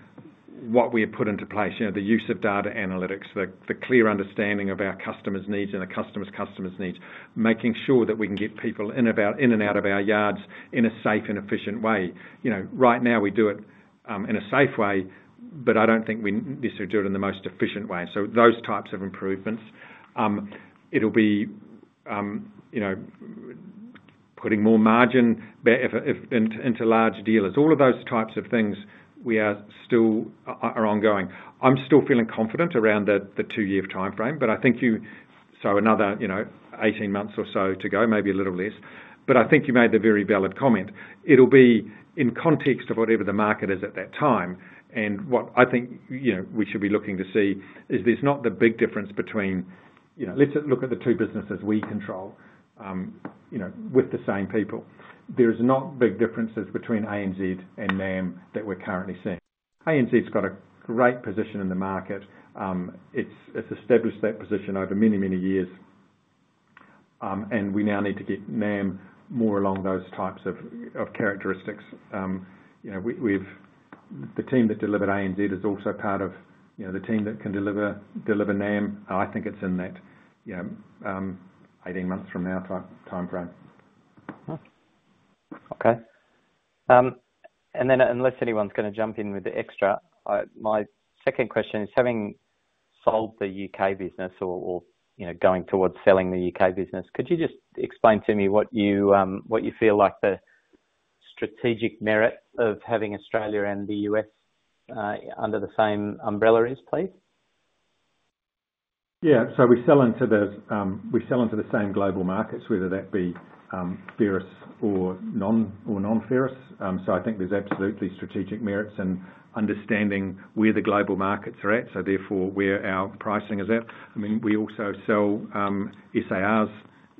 what we have put into place. You know, the use of data analytics, the clear understanding of our customers' needs and our customers' customers' needs, making sure that we can get people in and out of our yards in a safe and efficient way. You know, right now we do it in a safe way, but I don't think we necessarily do it in the most efficient way. So those types of improvements. It'll be, you know, putting more margin into large dealers. All of those types of things, we are still ongoing. I'm still feeling confident around the two-year timeframe, but I think you... So another, you know, eighteen months or so to go, maybe a little less. But I think you made a very valid comment. It'll be in context of whatever the market is at that time, and what I think, you know, we should be looking to see is there's not the big difference between... You know, let's just look at the two businesses we control, you know, with the same people. There's not big differences between ANZ and NAM that we're currently seeing. ANZ's got a great position in the market. It's established that position over many, many years, and we now need to get NAM more along those types of characteristics. You know, the team that delivered ANZ is also part of, you know, the team that can deliver NAM. I think it's in that, you know, eighteen months from now timeframe. Okay. And then unless anyone's gonna jump in with the extra, my second question is, having sold the U.K. business or, you know, going towards selling the U.K. business, could you just explain to me what you, what you feel like the strategic merit of having Australia and the U.S. under the same umbrella is, please? Yeah. So we sell into the we sell into the same global markets, whether that be ferrous or non-ferrous. So I think there's absolutely strategic merits in understanding where the global markets are at, so therefore, where our pricing is at. I mean, we also sell SAR's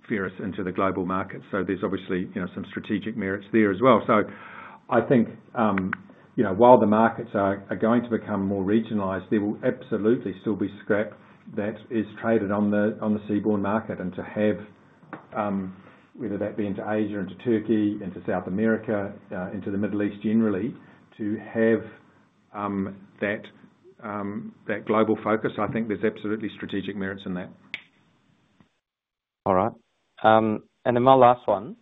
ferrous into the global market, so there's obviously, you know, some strategic merits there as well. So I think, you know, while the markets are going to become more regionalized, there will absolutely still be scrap that is traded on the seaborne market. And to have, whether that be into Asia, into Turkey, into South America, into the Middle East, generally, to have that global focus, I think there's absolutely strategic merits in that. All right. And then my last one,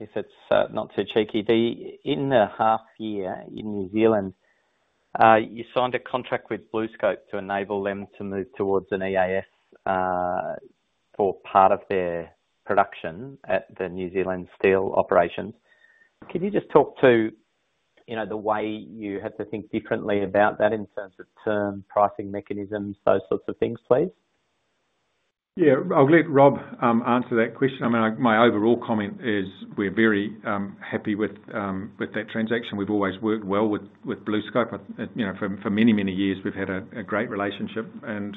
if it's not too cheeky. Then in the half year in New Zealand, you signed a contract with BlueScope to enable them to move towards an EAF, for part of their production at the New Zealand Steel operations. Can you just talk to, you know, the way you had to think differently about that in terms of terms, pricing mechanisms, those sorts of things, please? Yeah. I'll let Rob answer that question. I mean, my overall comment is we're very happy with that transaction. We've always worked well with BlueScope. You know, for many, many years, we've had a great relationship and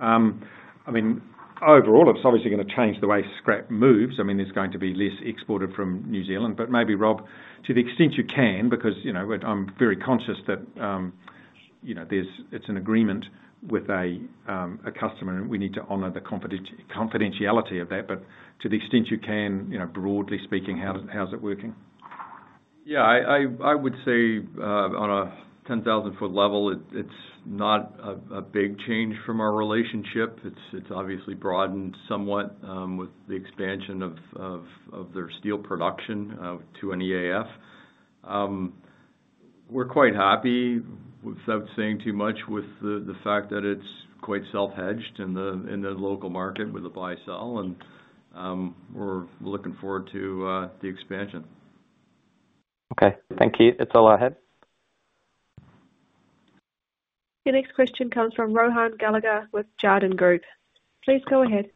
I mean, overall, it's obviously gonna change the way scrap moves. I mean, there's going to be less exported from New Zealand, but maybe Rob, to the extent you can, because you know, I'm very conscious that you know, it's an agreement with a customer, and we need to honor the confidentiality of that. But to the extent you can, you know, broadly speaking, how's it working? Yeah, I would say on a 10,000-foot level, it's not a big change from our relationship. It's obviously broadened somewhat with the expansion of their steel production to an EAF. We're quite happy, without saying too much, with the fact that it's quite self-hedged in the local market with a buy-sell, and we're looking forward to the expansion. Okay. Thank you. That's all I had. Your next question comes from Rohan Gallagher with Jarden Group. Please go ahead.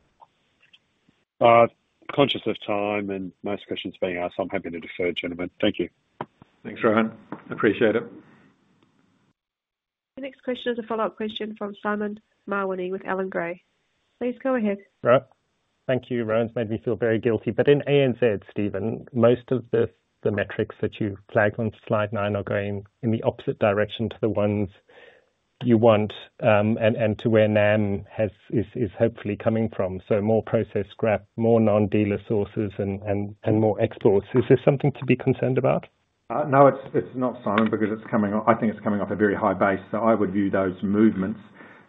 Conscious of time and most questions being asked, so I'm happy to defer, gentlemen. Thank you. Thanks, Rohan. Appreciate it. The next question is a follow-up question from Simon Mawhinney with Allan Gray. Please go ahead. Right. Thank you. Rohan's made me feel very guilty, but in ANZ, Stephen, most of the metrics that you flagged on slide nine are going in the opposite direction to the ones you want, and more exports. Is there something to be concerned about? No, it's not, Simon, because it's coming off a very high base, so I would view those movements.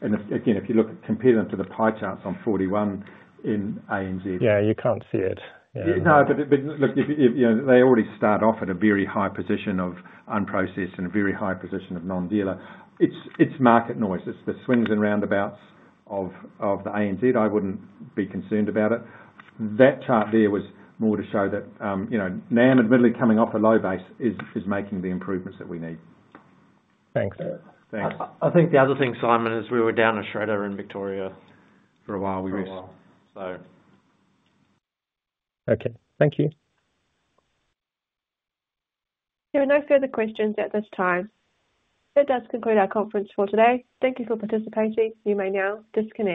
And if, again, if you look, compare them to the pie charts on 41 in ANZ. Yeah, you can't see it. Yeah. No, but look, if you know, they already start off at a very high position of unprocessed and a very high position of non-dealer. It's market noise. It's the swings and roundabouts of the ANZ. I wouldn't be concerned about it. That chart there was more to show that, you know, NAM admittedly coming off a low base is making the improvements that we need. Thanks. Thanks. I think the other thing, Simon, is we were down a shredder in Victoria. For a while we were… for a while. So. Okay. Thank you. There are no further questions at this time. That does conclude our conference for today. Thank you for participating. You may now disconnect.